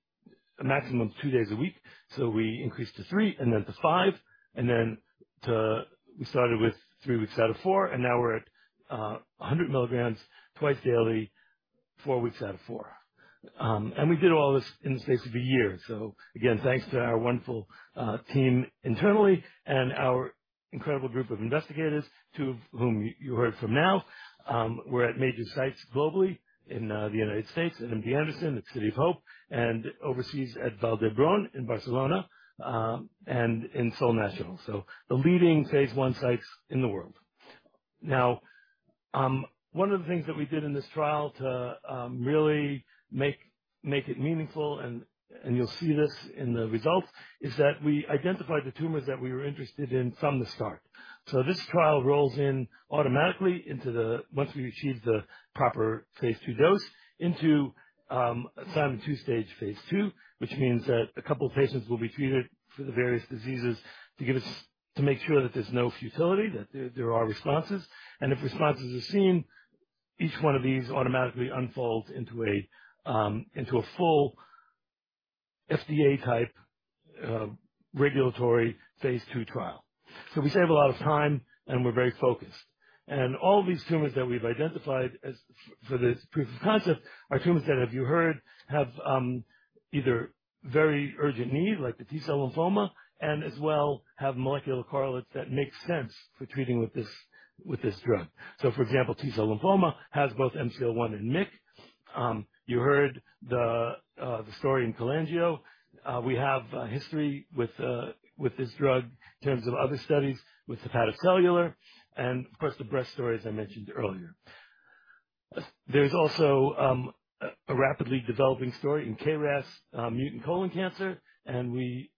E: a maximum of two days a week. We increased to three and then to five. We started with three weeks out of four, and now we're at 100 mg twice daily, four weeks out of four. We did all this in the space of a year. Again, thanks to our wonderful team internally and our incredible group of investigators, two of whom you heard from now, we're at major sites globally in the United States at MD Anderson, at City of Hope and overseas at Vall d'Hebron in Barcelona, and in Seoul National. The leading phase I sites in the world. Now, one of the things that we did in this trial to really make it meaningful, and you'll see this in the results, is that we identified the tumors that we were interested in from the start. This trial rolls in automatically once we achieve the proper phase II dose into Simon's two-stage phase II, which means that a couple of patients will be treated for the various diseases to make sure that there's no futility, that there are responses. If responses are seen, each one of these automatically unfolds into a full FDA type regulatory phase II trial. We save a lot of time, and we're very focused. All these tumors that we've identified for this proof of concept are tumors that, as you heard, have either very urgent need, like the T-cell lymphoma, and as well have molecular correlates that make sense for treating with this drug. For example, T-cell lymphoma has both McL-1 and MYC. You heard the story in cholangio. We have a history with this drug in terms of other studies with hepatocellular, and of course, the breast story, as I mentioned earlier. There's also a rapidly developing story in KRAS mutant colon cancer, and we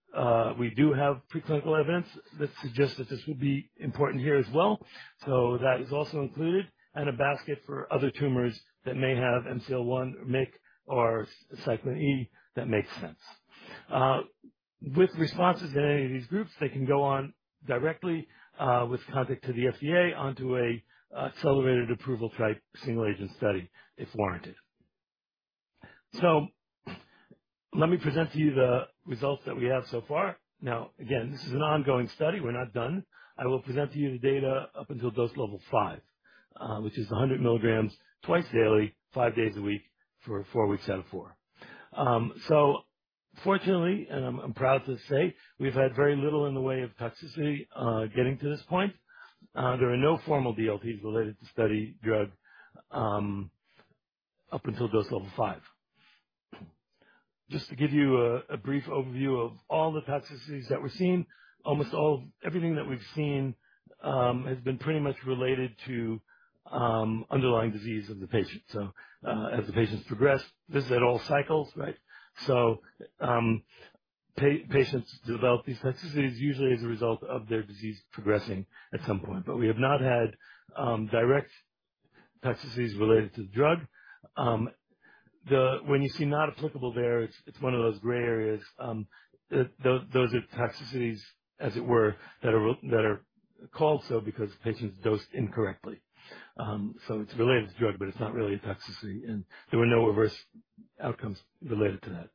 E: do have preclinical evidence that suggests that this would be important here as well. That is also included and a basket for other tumors that may have McL-1, MYC, or Cyclin E that makes sense. With responses in any of these groups, they can go on directly with contact to the FDA onto a accelerated approval type single agent study if warranted. Let me present to you the results that we have so far. Now, again, this is an ongoing study. We're not done. I will present to you the data up until dose Level 5, which is 100 mg twice daily, five days a week for four weeks out of four. Fortunately, and I'm proud to say, we've had very little in the way of toxicity getting to this point. There are no formal DLTs related to study drug up until dose Level 5. Just to give you a brief overview of all the toxicities that we're seeing, almost all. Everything that we've seen has been pretty much related to underlying disease of the patient. As the patients progress, this is at all cycles, right? Patients develop these toxicities usually as a result of their disease progressing at some point. But we have not had direct toxicities related to the drug. When you see not applicable there, it's one of those gray areas that those are toxicities as it were that are called so because the patient's dosed incorrectly. It's related to the drug, but it's not really a toxicity, and there were no adverse outcomes related to that.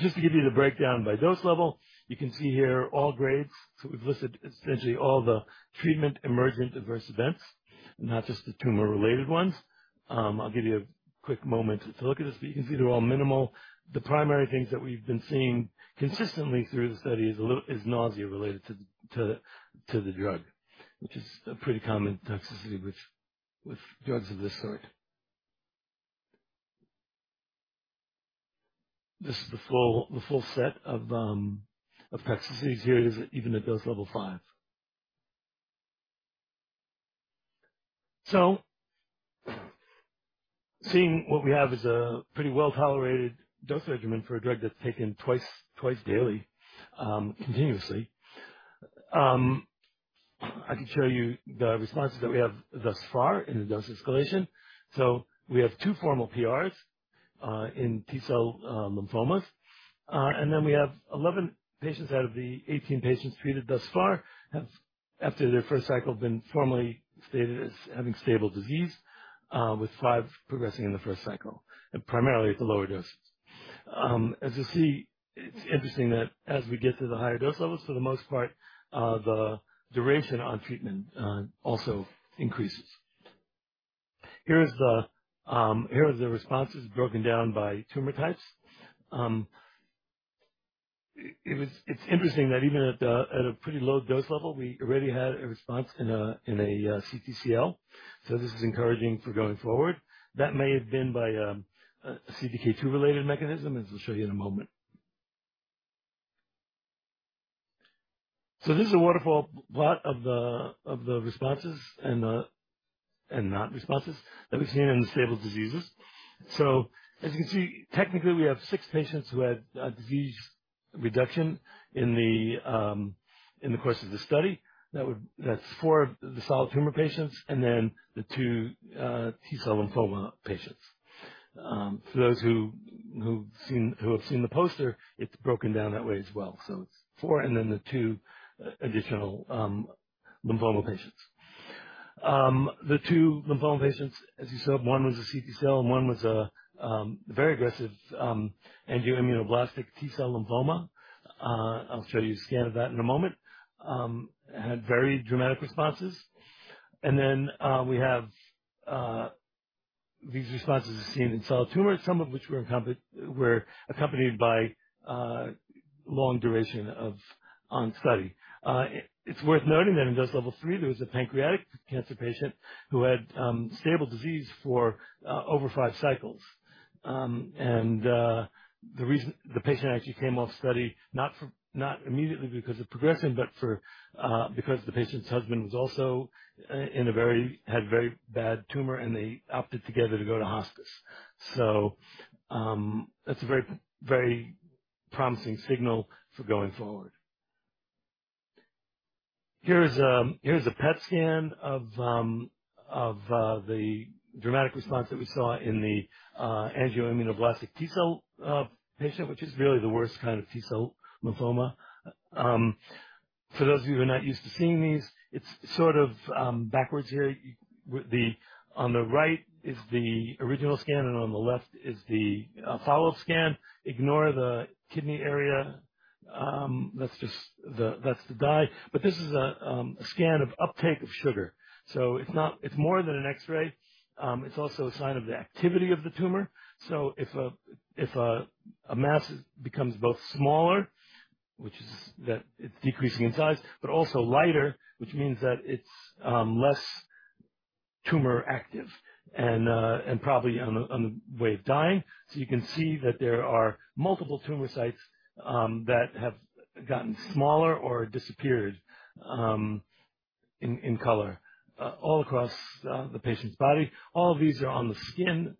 E: Just to give you the breakdown by dose level, you can see here all grades. We've listed essentially all the treatment-emergent adverse events, not just the tumor-related ones. I'll give you a quick moment to look at this, but you can see they're all minimal. The primary things that we've been seeing consistently through the study is nausea related to the drug, which is a pretty common toxicity with drugs of this sort. This is the full set of toxicities here. This is even at dose Level 5. Seeing what we have is a pretty well-tolerated dose regimen for a drug that's taken twice times daily, continuously. I can show you the responses that we have thus far in the dose escalation. We have two formal PRs in T-cell lymphomas. We have 11 patients out of the 18 patients treated thus far have, after their first cycle, been formally stated as having stable disease, with five progressing in the first cycle and primarily at the lower doses. As you see, it's interesting that as we get to the higher dose levels, for the most part, the duration on treatment also increases. Here are the responses broken down by tumor types. It's interesting that even at a pretty low dose level, we already had a response in a CTCL. This is encouraging for going forward. That may have been by a CDK2-related mechanism, as I'll show you in a moment. This is a waterfall plot of the responses and the non-responses that we've seen in stable diseases. As you can see, technically, we have six patients who had a disease reduction in the course of the study. That's four of the solid tumor patients and then the two T-cell lymphoma patients. For those who have seen the poster, it's broken down that way as well. It's four and then the two additional lymphoma patients. The two lymphoma patients, as you said, one was a CTCL and one was a very aggressive angioimmunoblastic T-cell lymphoma. I'll show you a scan of that in a moment. Had very dramatic responses. We have these responses as seen in solid tumors, some of which were accompanied by long duration of, on study. It's worth noting that in dose Level 3, there was a pancreatic cancer patient who had stable disease for over five cycles. The reason the patient actually came off study, not immediately because of progression, but because the patient's husband also had very bad tumor, and they opted together to go to hospice. That's a very, very promising signal for going forward. Here's a PET scan of the dramatic response that we saw in the angioimmunoblastic T-cell patient, which is really the worst kind of T-cell lymphoma. For those of you who are not used to seeing these, it's sort of backwards here. On the right is the original scan, and on the left is the follow-up scan. Ignore the kidney area. That's just the dye. This is a scan of uptake of sugar. It's more than an X-ray. It's also a sign of the activity of the tumor. If a mass becomes both smaller, which is that it's decreasing in size, but also lighter, which means that it's less tumor active and probably on the way of dying. You can see that there are multiple tumor sites that have gotten smaller or disappeared in color all across the patient's body. All of these are on the skin,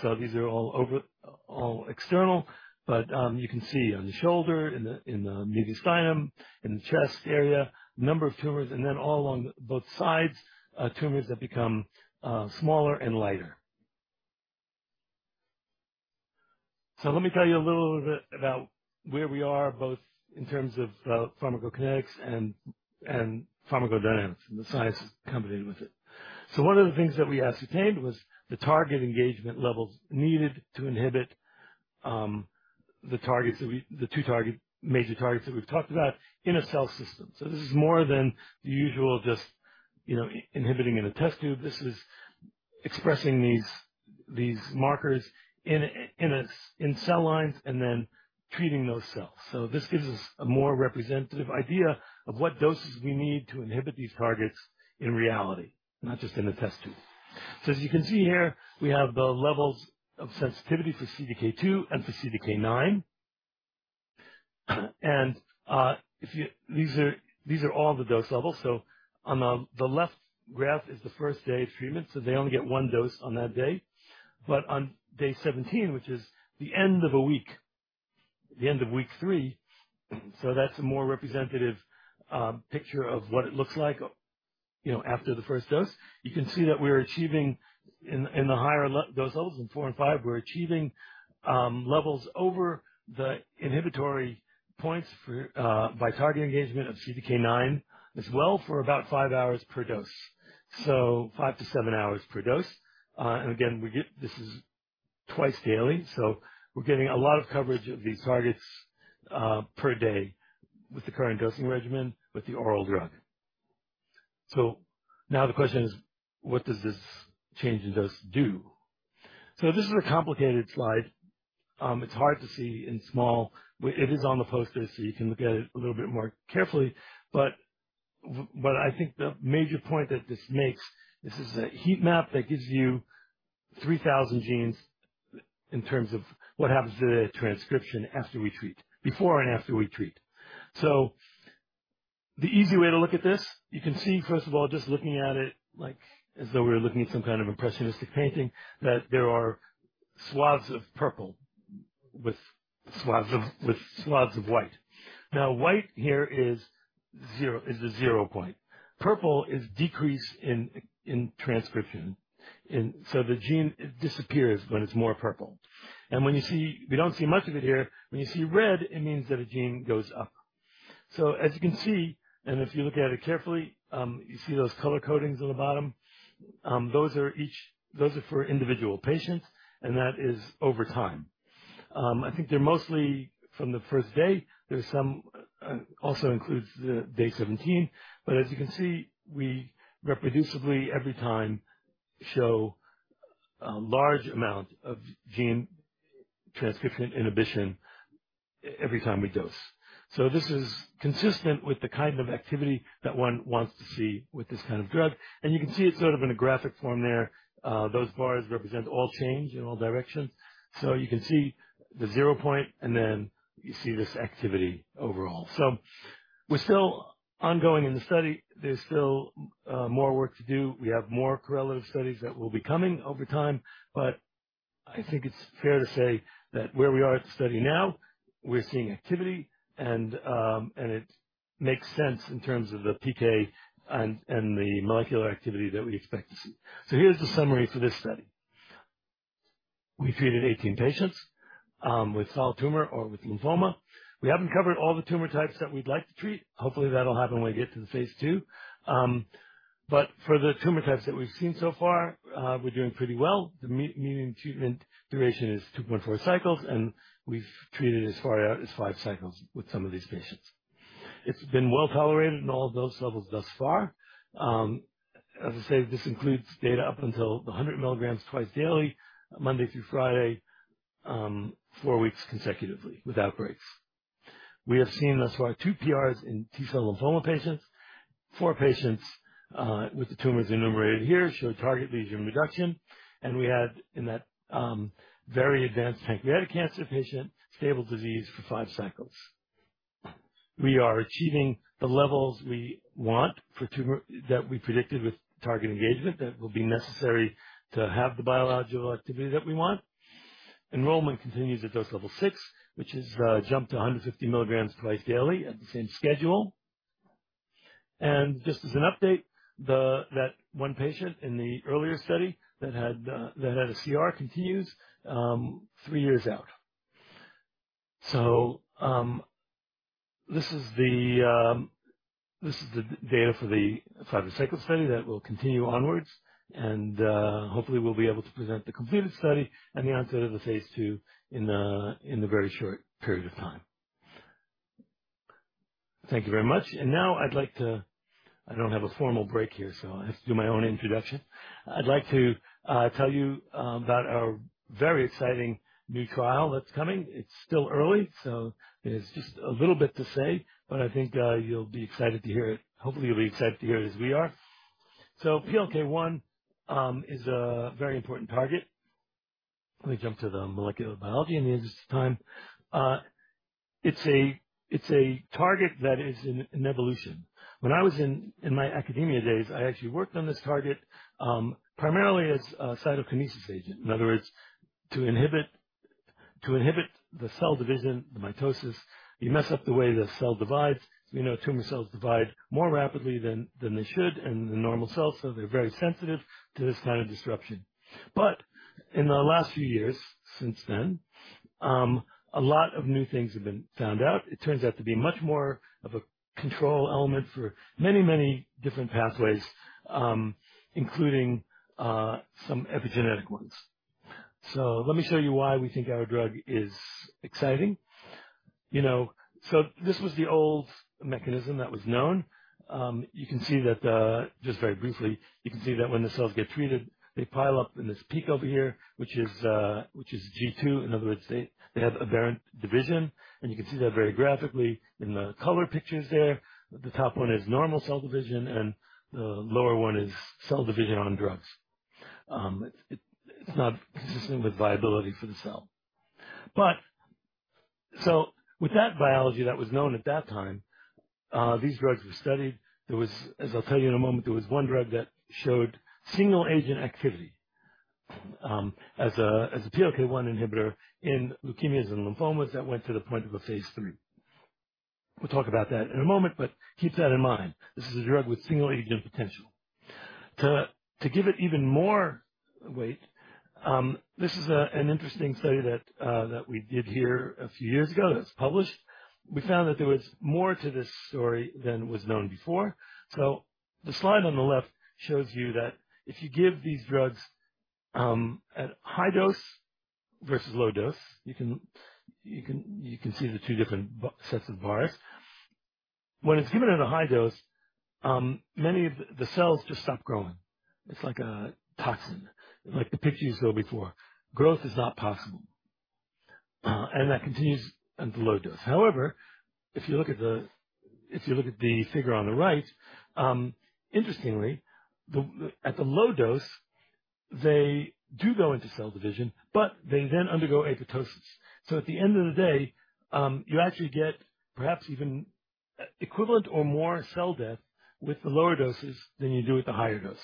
E: so these are all over, all external. You can see on the shoulder, in the mediastinum, in the chest area, number of tumors, and then all along both sides, tumors have become smaller and lighter. Let me tell you a little bit about where we are, both in terms of pharmacokinetics and pharmacodynamics and the science accompanying with it. One of the things that we ascertained was the target engagement levels needed to inhibit the two major targets that we've talked about in a cell system. This is more than the usual, just, you know, inhibiting in a test tube. This is expressing these markers in cell lines and then treating those cells. This gives us a more representative idea of what doses we need to inhibit these targets in reality, not just in a test tube. As you can see here, we have the levels of sensitivity for CDK2 and for CDK9. These are all the dose levels. On the left graph is the first-day treatment, so they only get one dose on that day. On day 17, which is the end of a week, the end of week three, that's a more representative picture of what it looks like, you know, after the first dose. You can see that we're achieving in the higher dose Levels in 4 and 5, we're achieving levels over the inhibitory points for by target engagement of CDK9 as well for about five hours per dose. Five to seven hours per dose. Again, this is twice daily, so we're getting a lot of coverage of these targets per day with the current dosing regimen with the oral drug. Now the question is, what does this change in dose do? This is a complicated slide. It's hard to see in small. It is on the poster, so you can look at it a little bit more carefully. I think the major point that this makes, this is a heat map that gives you 3,000 genes in terms of what happens to the transcription after we treat, before and after we treat. The easy way to look at this, you can see, first of all, just looking at it like as though we were looking at some kind of impressionistic painting, that there are swaths of purple with swaths of white. Now, white here is zero, the zero point. Purple is decrease in transcription. The gene disappears when it's more purple. We don't see much of it here. When you see red, it means that a gene goes up. As you can see, and if you look at it carefully, you see those color codings on the bottom, those are for individual patients, and that is over time. I think they're mostly from the first day. There's some also includes the day 17. As you can see, we reproducibly every time, show a large amount of gene transcription inhibition every time we dose. This is consistent with the kind of activity that one wants to see with this kind of drug. You can see it sort of in a graphic form there. Those bars represent all change in all directions. You can see the zero point, and then you see this activity overall. We're still ongoing in the study. There's still more work to do. We have more correlative studies that will be coming over time. I think it's fair to say that where we are at the study now, we're seeing activity and it makes sense in terms of the PK and the molecular activity that we expect to see. Here's the summary for this study. We treated 18 patients with solid tumor or with lymphoma. We haven't covered all the tumor types that we'd like to treat. Hopefully, that'll happen when we get to the phase II. For the tumor types that we've seen so far, we're doing pretty well. The median treatment duration is 2.4 cycles, and we've treated as far out as five cycles with some of these patients. It's been well-tolerated in all of those levels thus far. As I said, this includes data up until the 100 mg twice daily, Monday through Friday, four weeks consecutively without breaks. We have seen thus far two PRs in T-cell lymphoma patients. Four patients with the tumors enumerated here show target lesion reduction, and we had, in that, very advanced pancreatic cancer patient, stable disease for five cycles. We are achieving the levels we want that we predicted with target engagement that will be necessary to have the biological activity that we want. Enrollment continues at dose Level 6, which has jumped to 150 mg twice daily at the same schedule. Just as an update, that one patient in the earlier study that had a CR continues three years out. This is the data for the five-cycle study that will continue onwards and hopefully we'll be able to present the completed study, and the answer to the phase II in a very short period of time. Thank you very much. Now I'd like to. I don't have a formal break here, so I have to do my own introduction. I'd like to tell you about our very exciting new trial that's coming. It's still early, so there's just a little bit to say, but I think you'll be excited to hear it. Hopefully, you'll be excited to hear it as we are. PLK1 is a very important target. Let me jump to the molecular biology in the interest of time. It's a target that is in evolution. When I was in my academia days, I actually worked on this target primarily as a cytokinesis agent, in other words, to inhibit the cell division, the mitosis. You mess up the way the cell divides. We know tumor cells divide more rapidly than they should, and the normal cells, so they're very sensitive to this kind of disruption. In the last few years since then, a lot of new things have been found out. It turns out to be much more of a control element for many, many different pathways, including some epigenetic ones. So, let me show you why we think our drug is exciting. You know, so this was the old mechanism that was known. You can see that, just very briefly, you can see that when the cells get treated, they pile up in this peak over here, which is G2. In other words, they have aberrant division, and you can see that very graphically in the color pictures there. The top one is normal cell division and the lower one is cell division on drugs. It's not consistent with viability for the cell. With that biology that was known at that time, these drugs were studied. There was, as I'll tell you in a moment, one drug that showed single-agent activity as a PLK1 inhibitor in leukemias and lymphomas that went to the point of a phase III. We'll talk about that in a moment, but keep that in mind. This is a drug with single-agent potential. To give it even more weight, this is an interesting study that we did here a few years ago that was published. We found that there was more to this story than was known before. The slide on the left shows you that if you give these drugs at high dose versus low dose, you can see the two different sets of bars. When it's given at a high dose, many of the cells just stop growing. It's like a toxin. Like the pictures though before. Growth is not possible. That continues at the low dose. However, if you look at the figure on the right, interestingly, at the low dose, they do go into cell division, but they then undergo apoptosis. At the end of the day, you actually get, perhaps even equivalent or more cell death with the lower doses than you do with the higher doses.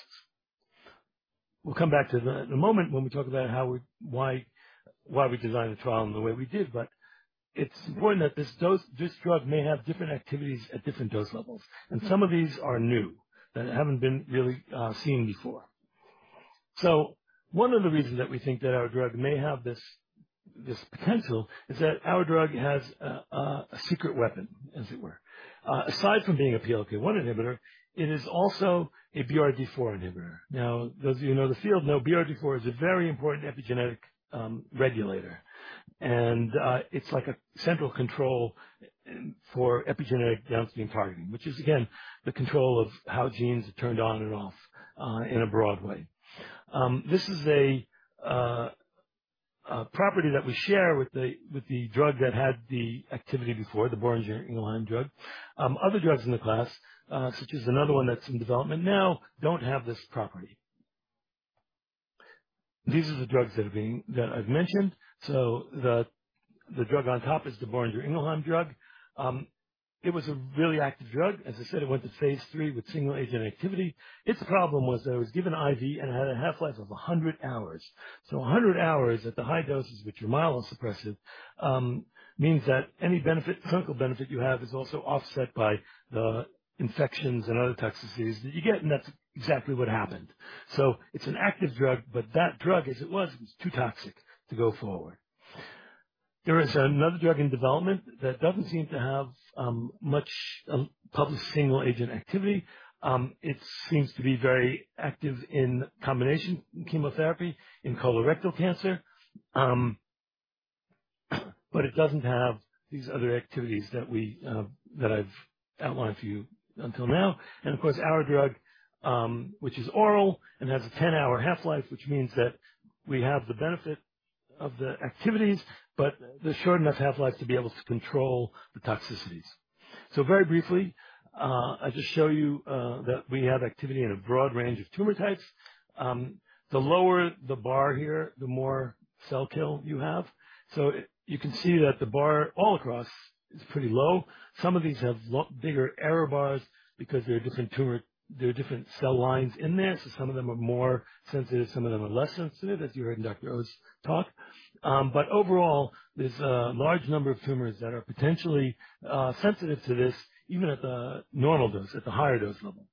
E: We'll come back to that in a moment when we talk about how we designed the trial in the way we did, but it's important that this drug may have different activities at different dose levels, and some of these are new that haven't been really seen before. One of the reasons that we think that our drug may have this potential is that our drug has a secret weapon, as it were. Aside from being a PLK1 inhibitor, it is also a BRD4 inhibitor. Now, those of you who know the field know BRD4 is a very important epigenetic regulator. It's like a central control for epigenetic downstream targeting, which is again, the control of how genes are turned on and off in a broad way. This is a property that we share with the drug that had the activity before, the Boehringer Ingelheim drug. Other drugs in the class, such as another one that's in development now, don't have this property. These are the drugs that I've mentioned. The drug on top is the Boehringer Ingelheim drug. It was a really active drug. As I said, it went to phase III with single-agent activity. Its problem was that it was given IV and had a half-life of 100 hours. 100 hours at the high doses with your myelosuppressive means that any benefit, clinical benefit you have is also offset by the infections and other toxicities that you get, and that's exactly what happened. It's an active drug, but that drug as it was, it was too toxic to go forward. There is another drug in development that doesn't seem to have much public single agent activity. It seems to be very active in combination chemotherapy in colorectal cancer. But it doesn't have these other activities that we, that I've outlined for you until now. And of course, our drug, which is oral and has a 10-hour half-life, which means that we have the benefit of the activities, but the short enough half-life to be able to control the toxicities. Very briefly, I'll just show you that we have activity in a broad range of tumor types. The lower the bar here, the more cell kill you have. You can see that the bar all across is pretty low. Some of these have lot bigger error bars because they're different. There are different cell lines in there, so some of them are more sensitive, some of them are less sensitive, as you heard Dr. Oh’s talk. Overall, there's a large number of tumors that are potentially sensitive to this, even at the normal dose, at the higher dose level.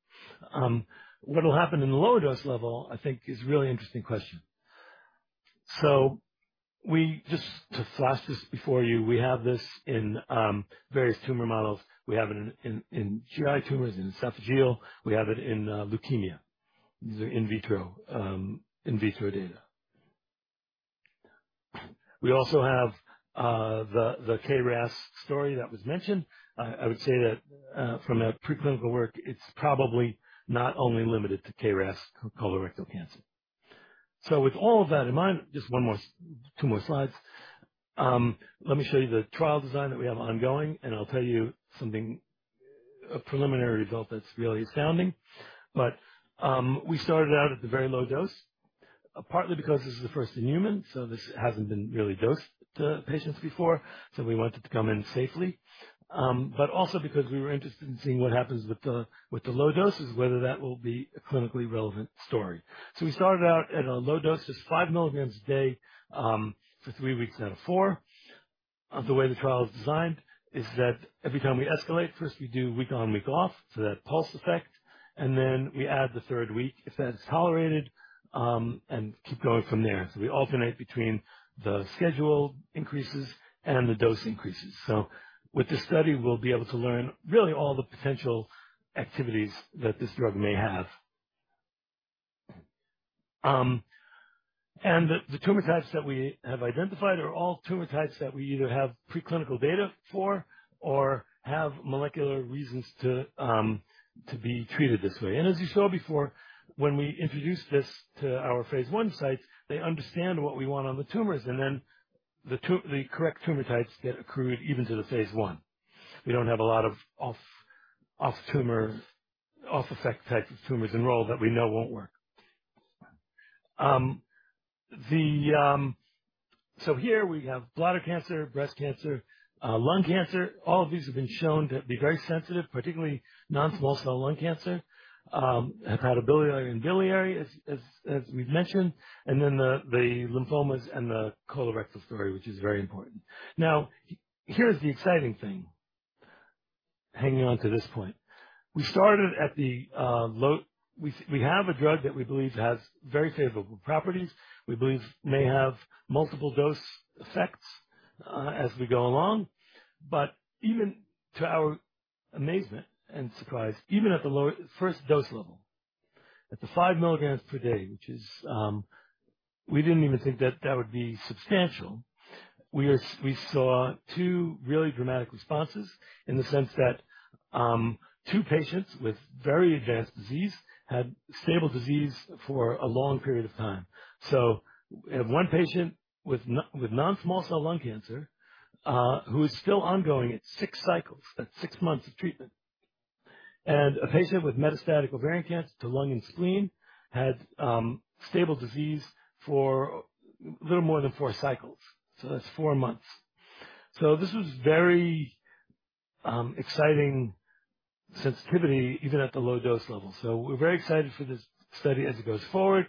E: What will happen in the lower dose level, I think, is a really interesting question. We just to flash this before you, we have this in various tumor models. We have it in GI tumors, in esophageal, we have it in leukemia. These are in vitro data. We also have the KRAS story that was mentioned. I would say that from that preclinical work, it's probably not only limited to KRAS colorectal cancer. With all of that in mind, just one more, two more slides. Let me show you the trial design that we have ongoing, and I'll tell you something, a preliminary result that's really astounding. We started out at the very low dose, partly because this is the first in human, so this hasn't been really dosed to patients before, so we want it to come in safely. Also because we were interested in seeing what happens with the low doses, whether that will be a clinically relevant story. We started out at a low dose, just 5 mg a day, for three weeks out of four. The way the trial is designed is that every time we escalate, first we do week on, week off, so that pulse effect, and then we add the third week if that's tolerated, and keep going from there. We alternate between the schedule increases and the dose increases. With this study, we'll be able to learn really all the potential activities that this drug may have. The tumor types that we have identified are all tumor types that we either have preclinical data for or have molecular reasons to be treated this way. As you saw before, when we introduced this to our phase I sites, they understand what we want on the tumors and then the correct tumor types get accrued even to the phase I. We don't have a lot of off-target types of tumors enrolled that we know won't work. Here we have bladder cancer, breast cancer, lung cancer. All of these have been shown to be very sensitive, particularly non-small cell lung cancer, hepatobiliary and biliary, as we've mentioned, and then the lymphomas and the colorectal story, which is very important. Now, here's the exciting thing, hanging on to this point. We have a drug that we believe has very favorable properties. We believe may have multiple dose effects as we go along. But even to our amazement and surprise, even at the lower first dose level, at the 5 mg per day, which is, we didn't even think that would be substantial. We saw two really dramatic responses in the sense that two patients with very advanced disease had stable disease for a long period of time. We have one patient with non-small cell lung cancer who is still ongoing at six cycles. That's six months of treatment. A patient with metastatic ovarian cancer to lung and spleen had stable disease for little more than four cycles. That's four months. This was very exciting sensitivity even at the low dose level. We're very excited for this study as it goes forward.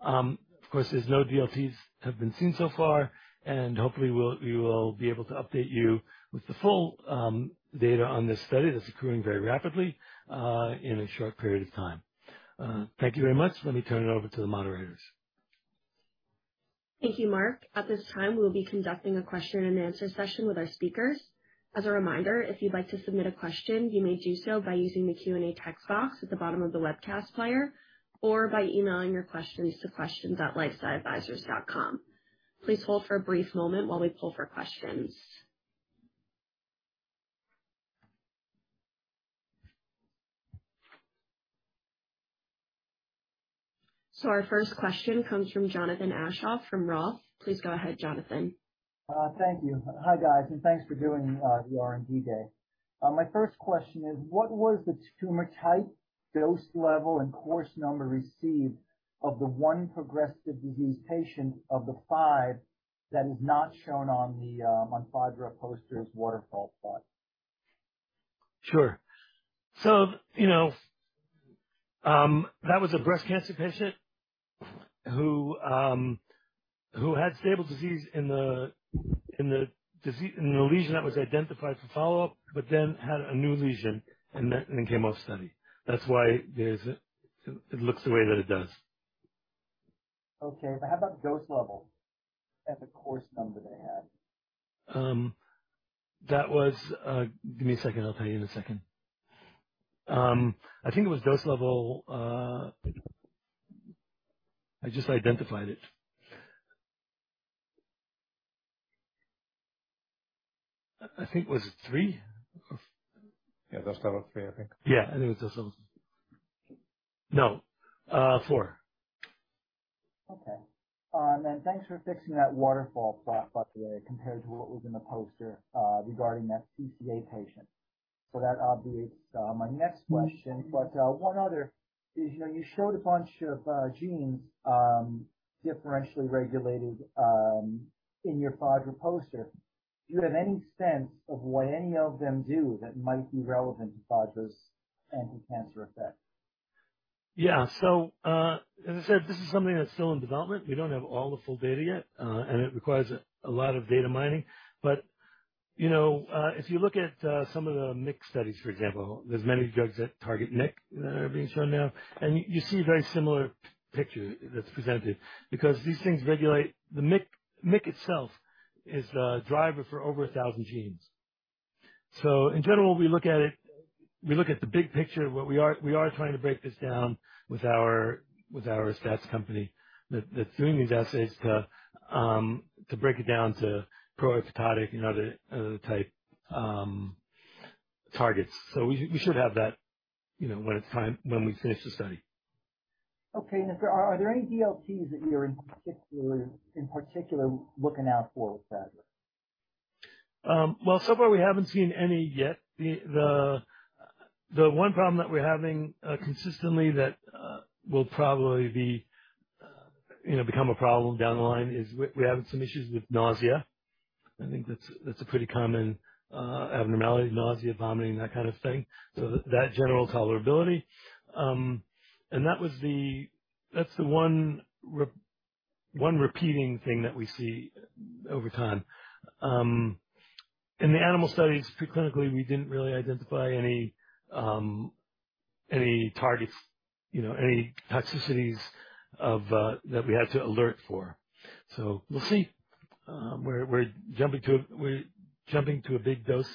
E: Of course, no DLTs have been seen so far. Hopefully, we will be able to update you with the full data on this study that's accruing very rapidly in a short period of time. Thank you very much. Let me turn it over to the moderators.
A: Thank you, Mark. At this time, we will be conducting a question and answer session with our speakers. As a reminder, if you'd like to submit a question, you may do so by using the Q&A text box at the bottom of the webcast player or by emailing your questions to questions.lifesciadvisors.com. Please hold for a brief moment while we pull for questions. Our first question comes from Jonathan Aschoff from ROTH. Please go ahead, Jonathan.
F: Thank you. Hi, guys, and thanks for doing the R&D Day. My first question is, what was the tumor type, dose level, and course number received of the one progressive disease patient of the five that is not shown on the Fadra poster's waterfall plot?
E: Sure. You know, that was a breast cancer patient who had stable disease in the lesion that was identified for follow-up, but then had a new lesion and then came off study. That's why it looks the way that it does.
F: Okay. How about dose level at the course number they had?
E: Give me a second. I'll tell you in a second. I think it was dose level. I just identified it. I think was it Level 3?
B: Yeah, dose Level 3, I think.
E: Yeah, I think it was Level 4.
F: Okay. Thanks for fixing that waterfall plot, by the way, compared to what was in the poster regarding that CCA patient. That obviates my next question. One other is, you know, you showed a bunch of genes differentially regulated in your Fadra poster. Do you have any sense of what any of them do that might be relevant to Fadra’s anti-cancer effect?
E: As I said, this is something that's still in development. We don't have all the full data yet, and it requires a lot of data mining. You know, if you look at some of the MYC studies, for example, there's many drugs that target MYC that are being shown now, and you see a very similar picture that's presented because these things regulate. The MYC itself is a driver for over 1,000 genes. In general, we look at it, we look at the big picture of what we are, we are trying to break this down with our stats company that's doing these assays to break it down to pro-apoptotic and other type targets. We should have that, you know, when it's time, when we finish the study.
F: Okay. Are there any DLTs that you're, in particular looking out for with Fadra?
E: Well, so far, we haven't seen any yet. The one problem that we're having consistently that will probably, you know, become a problem down the line is we're having some issues with nausea. I think that's a pretty common abnormality, nausea, vomiting, that kind of thing. That general tolerability. That's the one repeating thing that we see over time. In the animal studies, pre-clinically, we didn't really identify any targets, you know, any toxicities that we had to alert for. We'll see. We're jumping to a big dose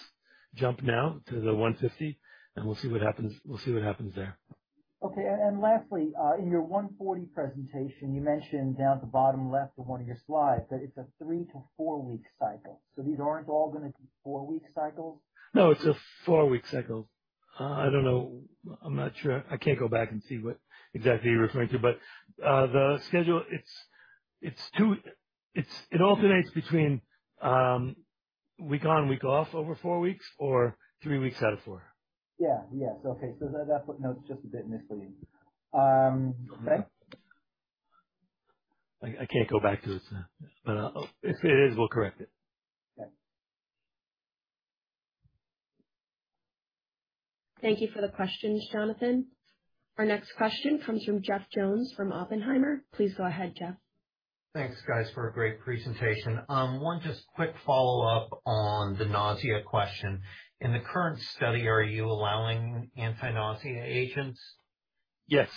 E: jump now to the 150, and we'll see what happens there.
F: Lastly, in your 140 presentation, you mentioned down at the bottom left of one of your slides that it's a three to four week cycle. These aren't all gonna be four-week cycles?
E: No, it's a four-week cycle. I don't know. I'm not sure. I can't go back and see what exactly you're referring to, but the schedule alternates between week on, week off over four weeks or three weeks out of four.
F: Yeah. Yes. Okay. That footnote's just a bit misleading. Okay.
E: I can't go back to it. If it is, we'll correct it.
F: Okay.
A: Thank you for the questions, Jonathan. Our next question comes from Jeff Jones from Oppenheimer. Please go ahead, Jeff.
G: Thanks, guys, for a great presentation. One just quick follow-up on the nausea question. In the current study, are you allowing anti-nausea agents?
E: Yes.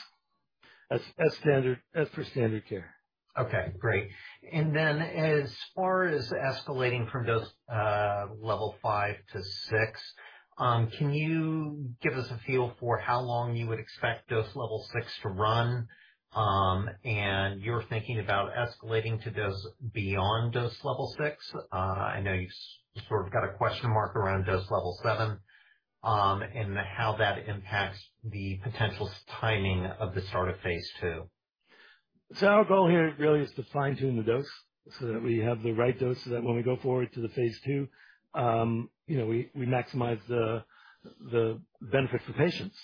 E: As per standard care.
G: Okay, great. As far as escalating from dose Level 5–6, can you give us a feel for how long you would expect dose Level 6 to run? You're thinking about escalating to dose beyond dose Level 6. I know you've sort of got a question mark around dose Level 7, and how that impacts the potential timing of the start of phase II.
E: Our goal here really is to fine-tune the dose so that we have the right dose so that when we go forward to the phase II, you know, we maximize the benefits for patients.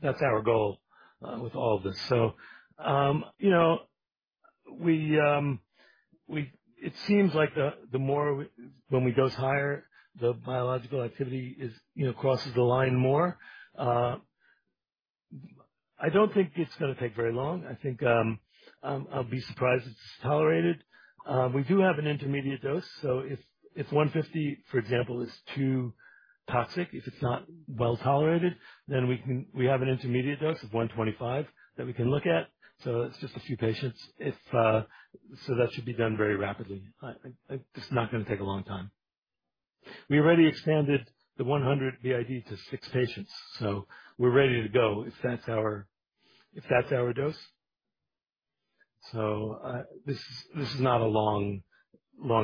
E: That's our goal with all of this. You know, it seems like the more we dose higher, the biological activity is, you know, crosses the line more. I don't think it's gonna take very long. I think I'll be surprised if it's tolerated. We do have an intermediate dose, so if 150, for example, is too toxic, if it's not well-tolerated, then we can, we have an intermediate dose of 125 that we can look at, so it's just a few patients. That should be done very rapidly. It's not gonna take a long time. We already expanded the 100 BID to six patients, so we're ready to go if that's our dose. This is not a long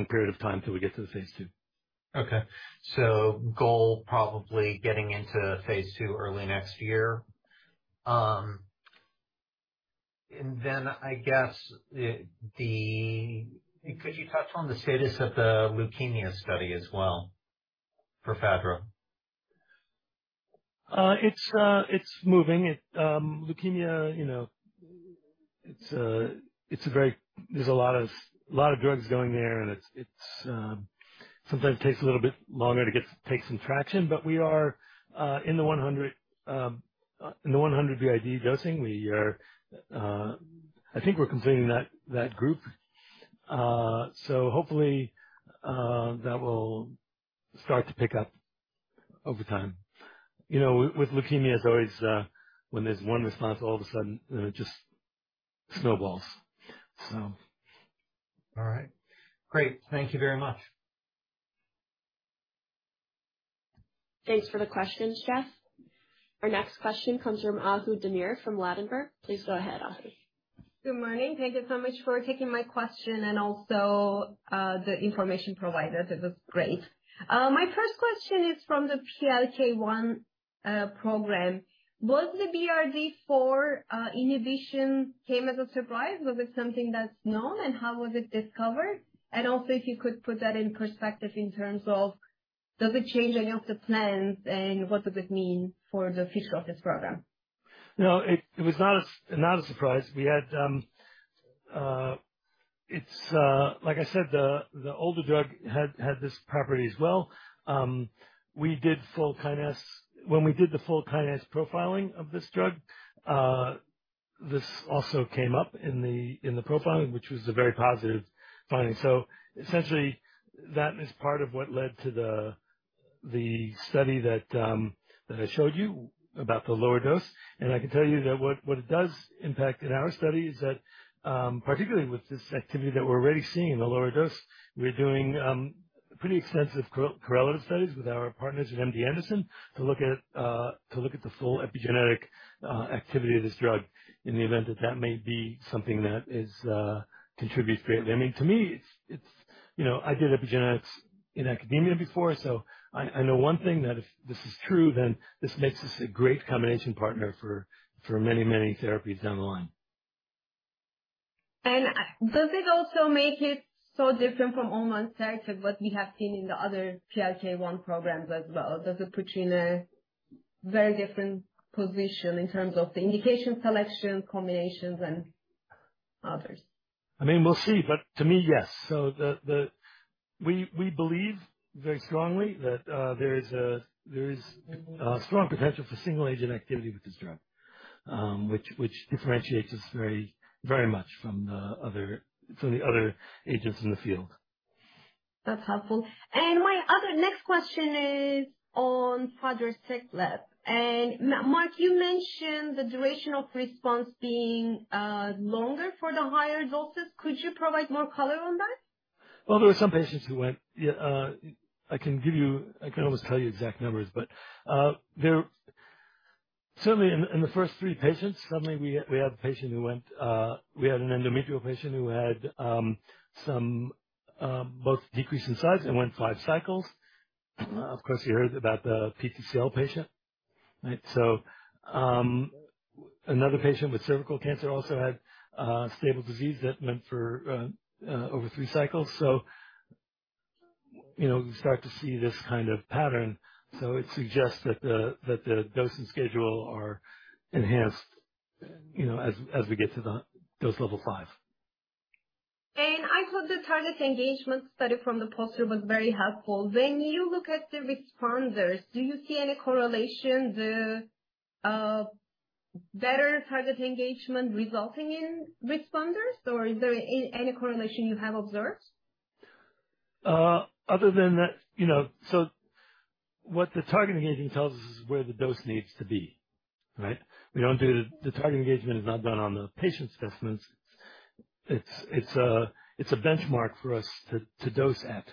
E: period of time till we get to the phase II.
G: Okay. Goal probably getting into phase II early next year. And then I guess, could you touch on the status of the leukemia study as well for Fadra?
E: It's moving. It's leukemia, you know, it's a very—there’s a lot of drugs going there, and it's sometimes takes a little bit longer to get some traction, but we are in the 100 BID dosing. We are, I think we're completing that group. So hopefully, that will start to pick up over time. You know, with leukemia, it's always when there's one response, all of a sudden it just snowballs.
G: All right. Great. Thank you very much.
A: Thanks for the question, Jeff. Our next question comes from Ahu Demir from Ladenburg Thalmann. Please go ahead, Ahu.
H: Good morning. Thank you so much for taking my question and also, the information provided. It was great. My first question is from the PLK1 program. Was the BRD4 inhibition came as a surprise, or was it something that's known, and how was it discovered? And also, if you could put that in perspective in terms of, does it change any of the plans, and what does it mean for the future of this program?
E: No, it was not a surprise. We had, it’s, like I said, the older drug had this property as well. We did full kinase. When we did the full kinase profiling of this drug, this also came up in the profiling, which was a very positive finding. Essentially, that is part of what led to the study that I showed you about the lower dose. I can tell you that what it does impact in our study is that, particularly with this activity that we're already seeing, the lower dose, we're doing pretty extensive correlative studies with our partners at MD Anderson to look at the full epigenetic activity of this drug in the event that that may be something that is contributes greatly. I mean, to me, it's, you know, I did epigenetics in academia before, so, I know one thing that if this is true, then this makes this a great combination partner for many therapies down the line.
H: Does it also make it so different from onvansertib and what we have seen in the other PLK1 programs as well? Does it put you in a very different position in terms of the indication, selection, combinations, and others?
E: I mean, we'll see, but to me, yes. We believe very strongly that there is strong potential for single agent activity with this drug, which differentiates us very, very much from the other agents in the field.
H: That's helpful. My other next question is on the Fadra trial. Mark, you mentioned the duration of response being longer for the higher doses. Could you provide more color on that?
E: Well, there were some patients who went. I can always tell you exact numbers, but, certainly, in the first three patients, we had a patient who went—we had an endometrial patient who had some both decrease in size and went five cycles. Of course, you heard about the PTCL patient, right? Another patient with cervical cancer also had stable disease that went for over three cycles. You know, you start to see this kind of pattern, so it suggests that the dosing schedule are enhanced, you know, as we get to the dose level five.
H: I thought the target engagement study from the poster was very helpful. When you look at the responders, do you see any correlation, the better target engagement resulting in responders, or is there any correlation you have observed?
E: Other than that, you know. What the target engagement tells us is where the dose needs to be, right? The target engagement is not done on the patient's specimens. It's a benchmark for us to dose at.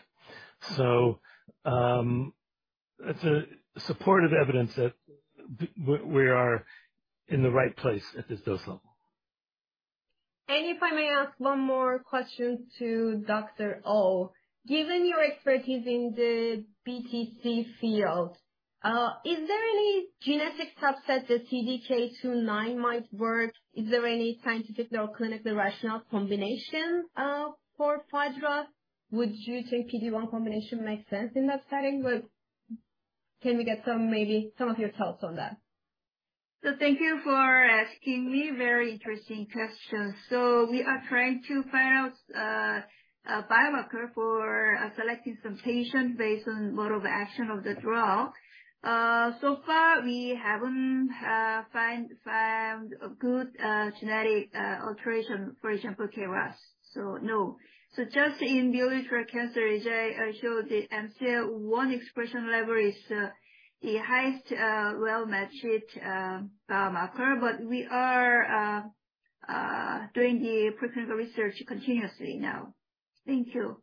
E: It's a supportive evidence that we are in the right place at this dose level.
H: If I may ask one more question to Dr. Oh. Given your expertise in the BTC field, is there any genetic subset that CDK2/9 might work? Is there any scientific or clinically rational combination for Fadra? Would you say PD-1 combination makes sense in that setting? Can we get some, maybe some of your thoughts on that?
D: Thank you for asking me. Very interesting question. We are trying to find out a biomarker for selecting some patients based on mode of action of the drug. So far we haven't found a good genetic alteration, for example, KRAS. No. Just in the solid cancer, as I showed, the Mcl-1 expression level is the highest well-matched biomarker. We are doing the preclinical research continuously now. Thank you.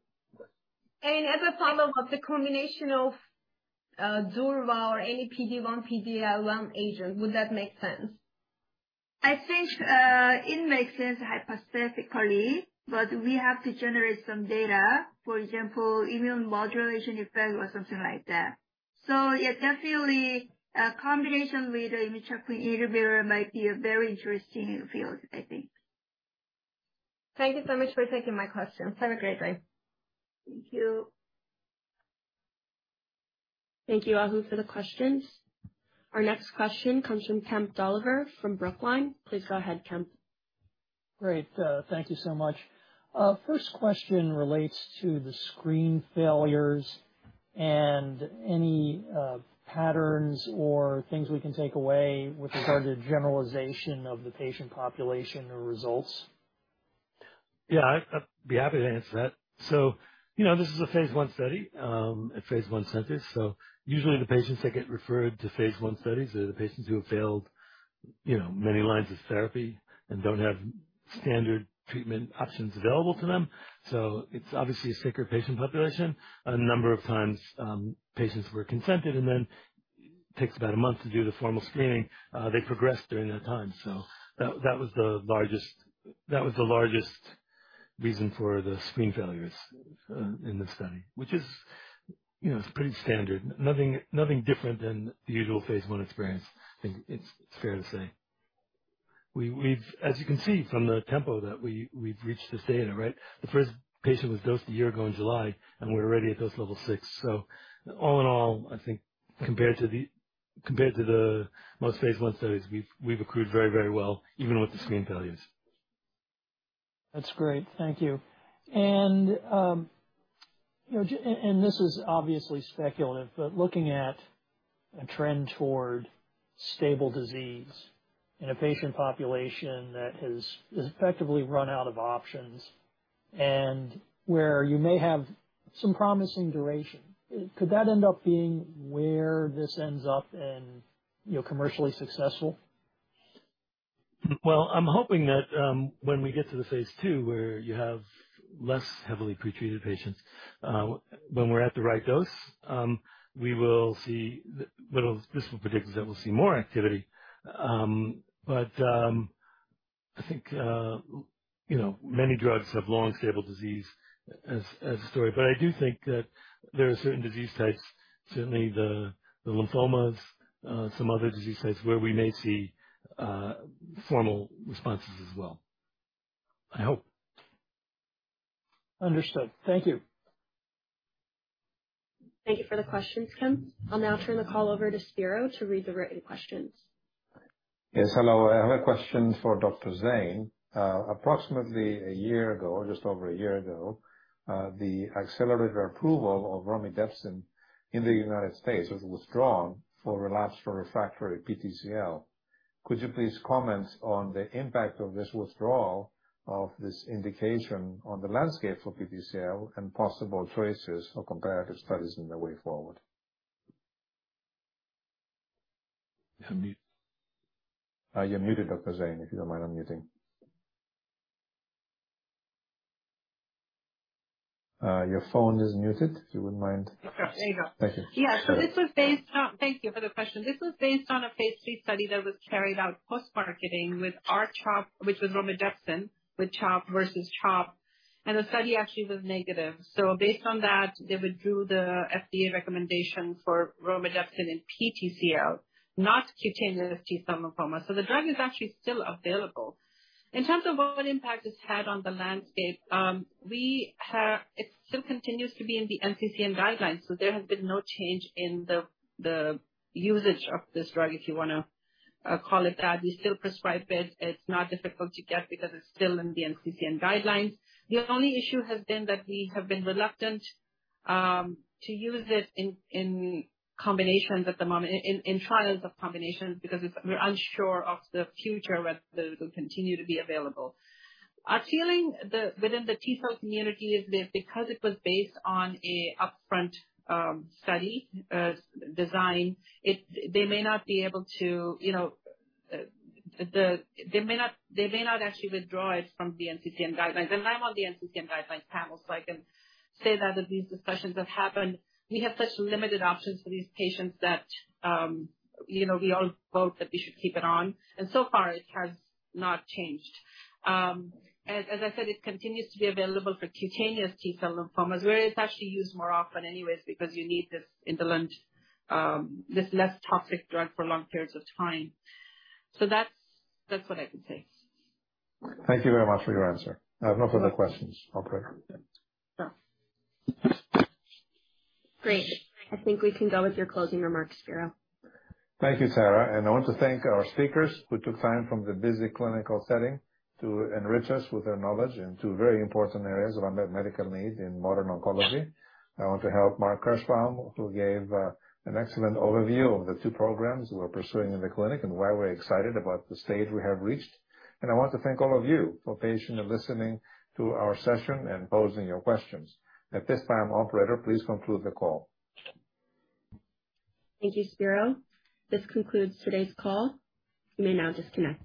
H: As a follow-up, the combination of durvalumab or any PD-1, PD-L1 agent, would that make sense?
D: I think, it makes sense hypothetically, but we have to generate some data, for example, immune modulation effect or something like that. Yeah, definitely a combination with immunotherapy might be a very interesting field, I think.
H: Thank you so much for taking my questions. Have a great day.
D: Thank you.
A: Thank you, Ahu, for the questions. Our next question comes from Kemp Dolliver from Brookline. Please go ahead, Kemp.
I: Great. Thank you so much. First question relates to the screen failures and any patterns or things we can take away with regard to generalization of the patient population or results.
E: Yeah, I'd be happy to answer that. You know, this is a phase I study, a phase I center. Usually, the patients that get referred to phase I studies are the patients who have failed, you know, many lines of therapy and don't have standard treatment options available to them. It's obviously a sicker patient population. A number of times, patients were consented and then takes about a month to do the formal screening, they progressed during that time. That was the largest reason for the screen failures in the study. Which is, you know, it's pretty standard. Nothing different than the usual phase I experience, it's fair to say. We've, as you can see from the tempo that we've reached this data, right, the first patient was dosed a year ago in July, and we're already at dose Level 6. All in all, I think compared to most phase I studies, we've accrued very well, even with the screen failures.
I: That's great. Thank you. This is obviously speculative, but looking at a trend toward stable disease in a patient population that has effectively run out of options and where you may have some promising duration, could that end up being where this ends up and, you know, commercially successful?
E: Well, I'm hoping that, when we get to the phase II, where you have less heavily pre-treated patients, when we're at the right dose, this will predict that we'll see more activity. I think, you know, many drugs have long, stable disease as a story. I do think that there are certain disease types, certainly the lymphomas, some other disease types, where we may see formal responses as well. I hope.
I: Understood. Thank you.
A: Thank you for the questions, Kemp. I'll now turn the call over to Spiro to read the written questions.
B: Yes. Hello. I have a question for Dr. Zain. Approximately a year ago, just over a year ago, the accelerated approval of romidepsin in the United States was withdrawn for relapsed or refractory PTCL. Could you please comment on the impact of this withdrawal of this indication on the landscape for PTCL and possible choices for comparative studies in the way forward? You're on mute. You're muted, Dr. Zain. If you don't mind unmuting. Your phone is muted, if you wouldn't mind.
C: There you go.
B: Thank you.
C: Thank you for the question. This was based on a phase III study that was carried out post-marketing with R-CHOP, which was romidepsin with CHOP versus CHOP. The study actually was negative. Based on that, they withdrew the FDA recommendation for romidepsin in PTCL, not cutaneous T-cell lymphoma. The drug is actually still available. In terms of what impact it's had on the landscape, it still continues to be in the NCCN guidelines, so there has been no change in the usage of this drug, if you wanna call it that. We still prescribe it. It's not difficult to get because it's still in the NCCN guidelines. The only issue has been that we have been reluctant to use it in combinations at the moment, in trials of combinations, because it's, we're unsure of the future, whether it will continue to be available. Our feeling within the T-cell community is that because it was based on a upfront study design, they may not be able to, you know, they may not actually withdraw it from the NCCN guidelines. I'm on the NCCN guidelines panel, so I can say that these discussions have happened. We have such limited options for these patients that, you know, we all vote that we should keep it on. So far it has not changed. As I said, it continues to be available for cutaneous T-cell lymphomas, where it's actually used more often anyways because you need this in the long run, this less toxic drug for long periods of time. That's what I can say.
B: Thank you very much for your answer. I have no further questions. Operator.
A: Great. I think we can go with your closing remarks, Spiro.
B: Thank you, Tara. I want to thank our speakers who took time from the busy clinical setting to enrich us with their knowledge in two very important areas of unmet medical need in modern oncology. I want to thank Mark Kirschbaum, who gave an excellent overview of the two programs we are pursuing in the clinic and why we're excited about the stage we have reached. I want to thank all of you for patiently listening to our session and posing your questions. At this time, operator, please conclude the call.
A: Thank you, Spiro. This concludes today's call. You may now disconnect.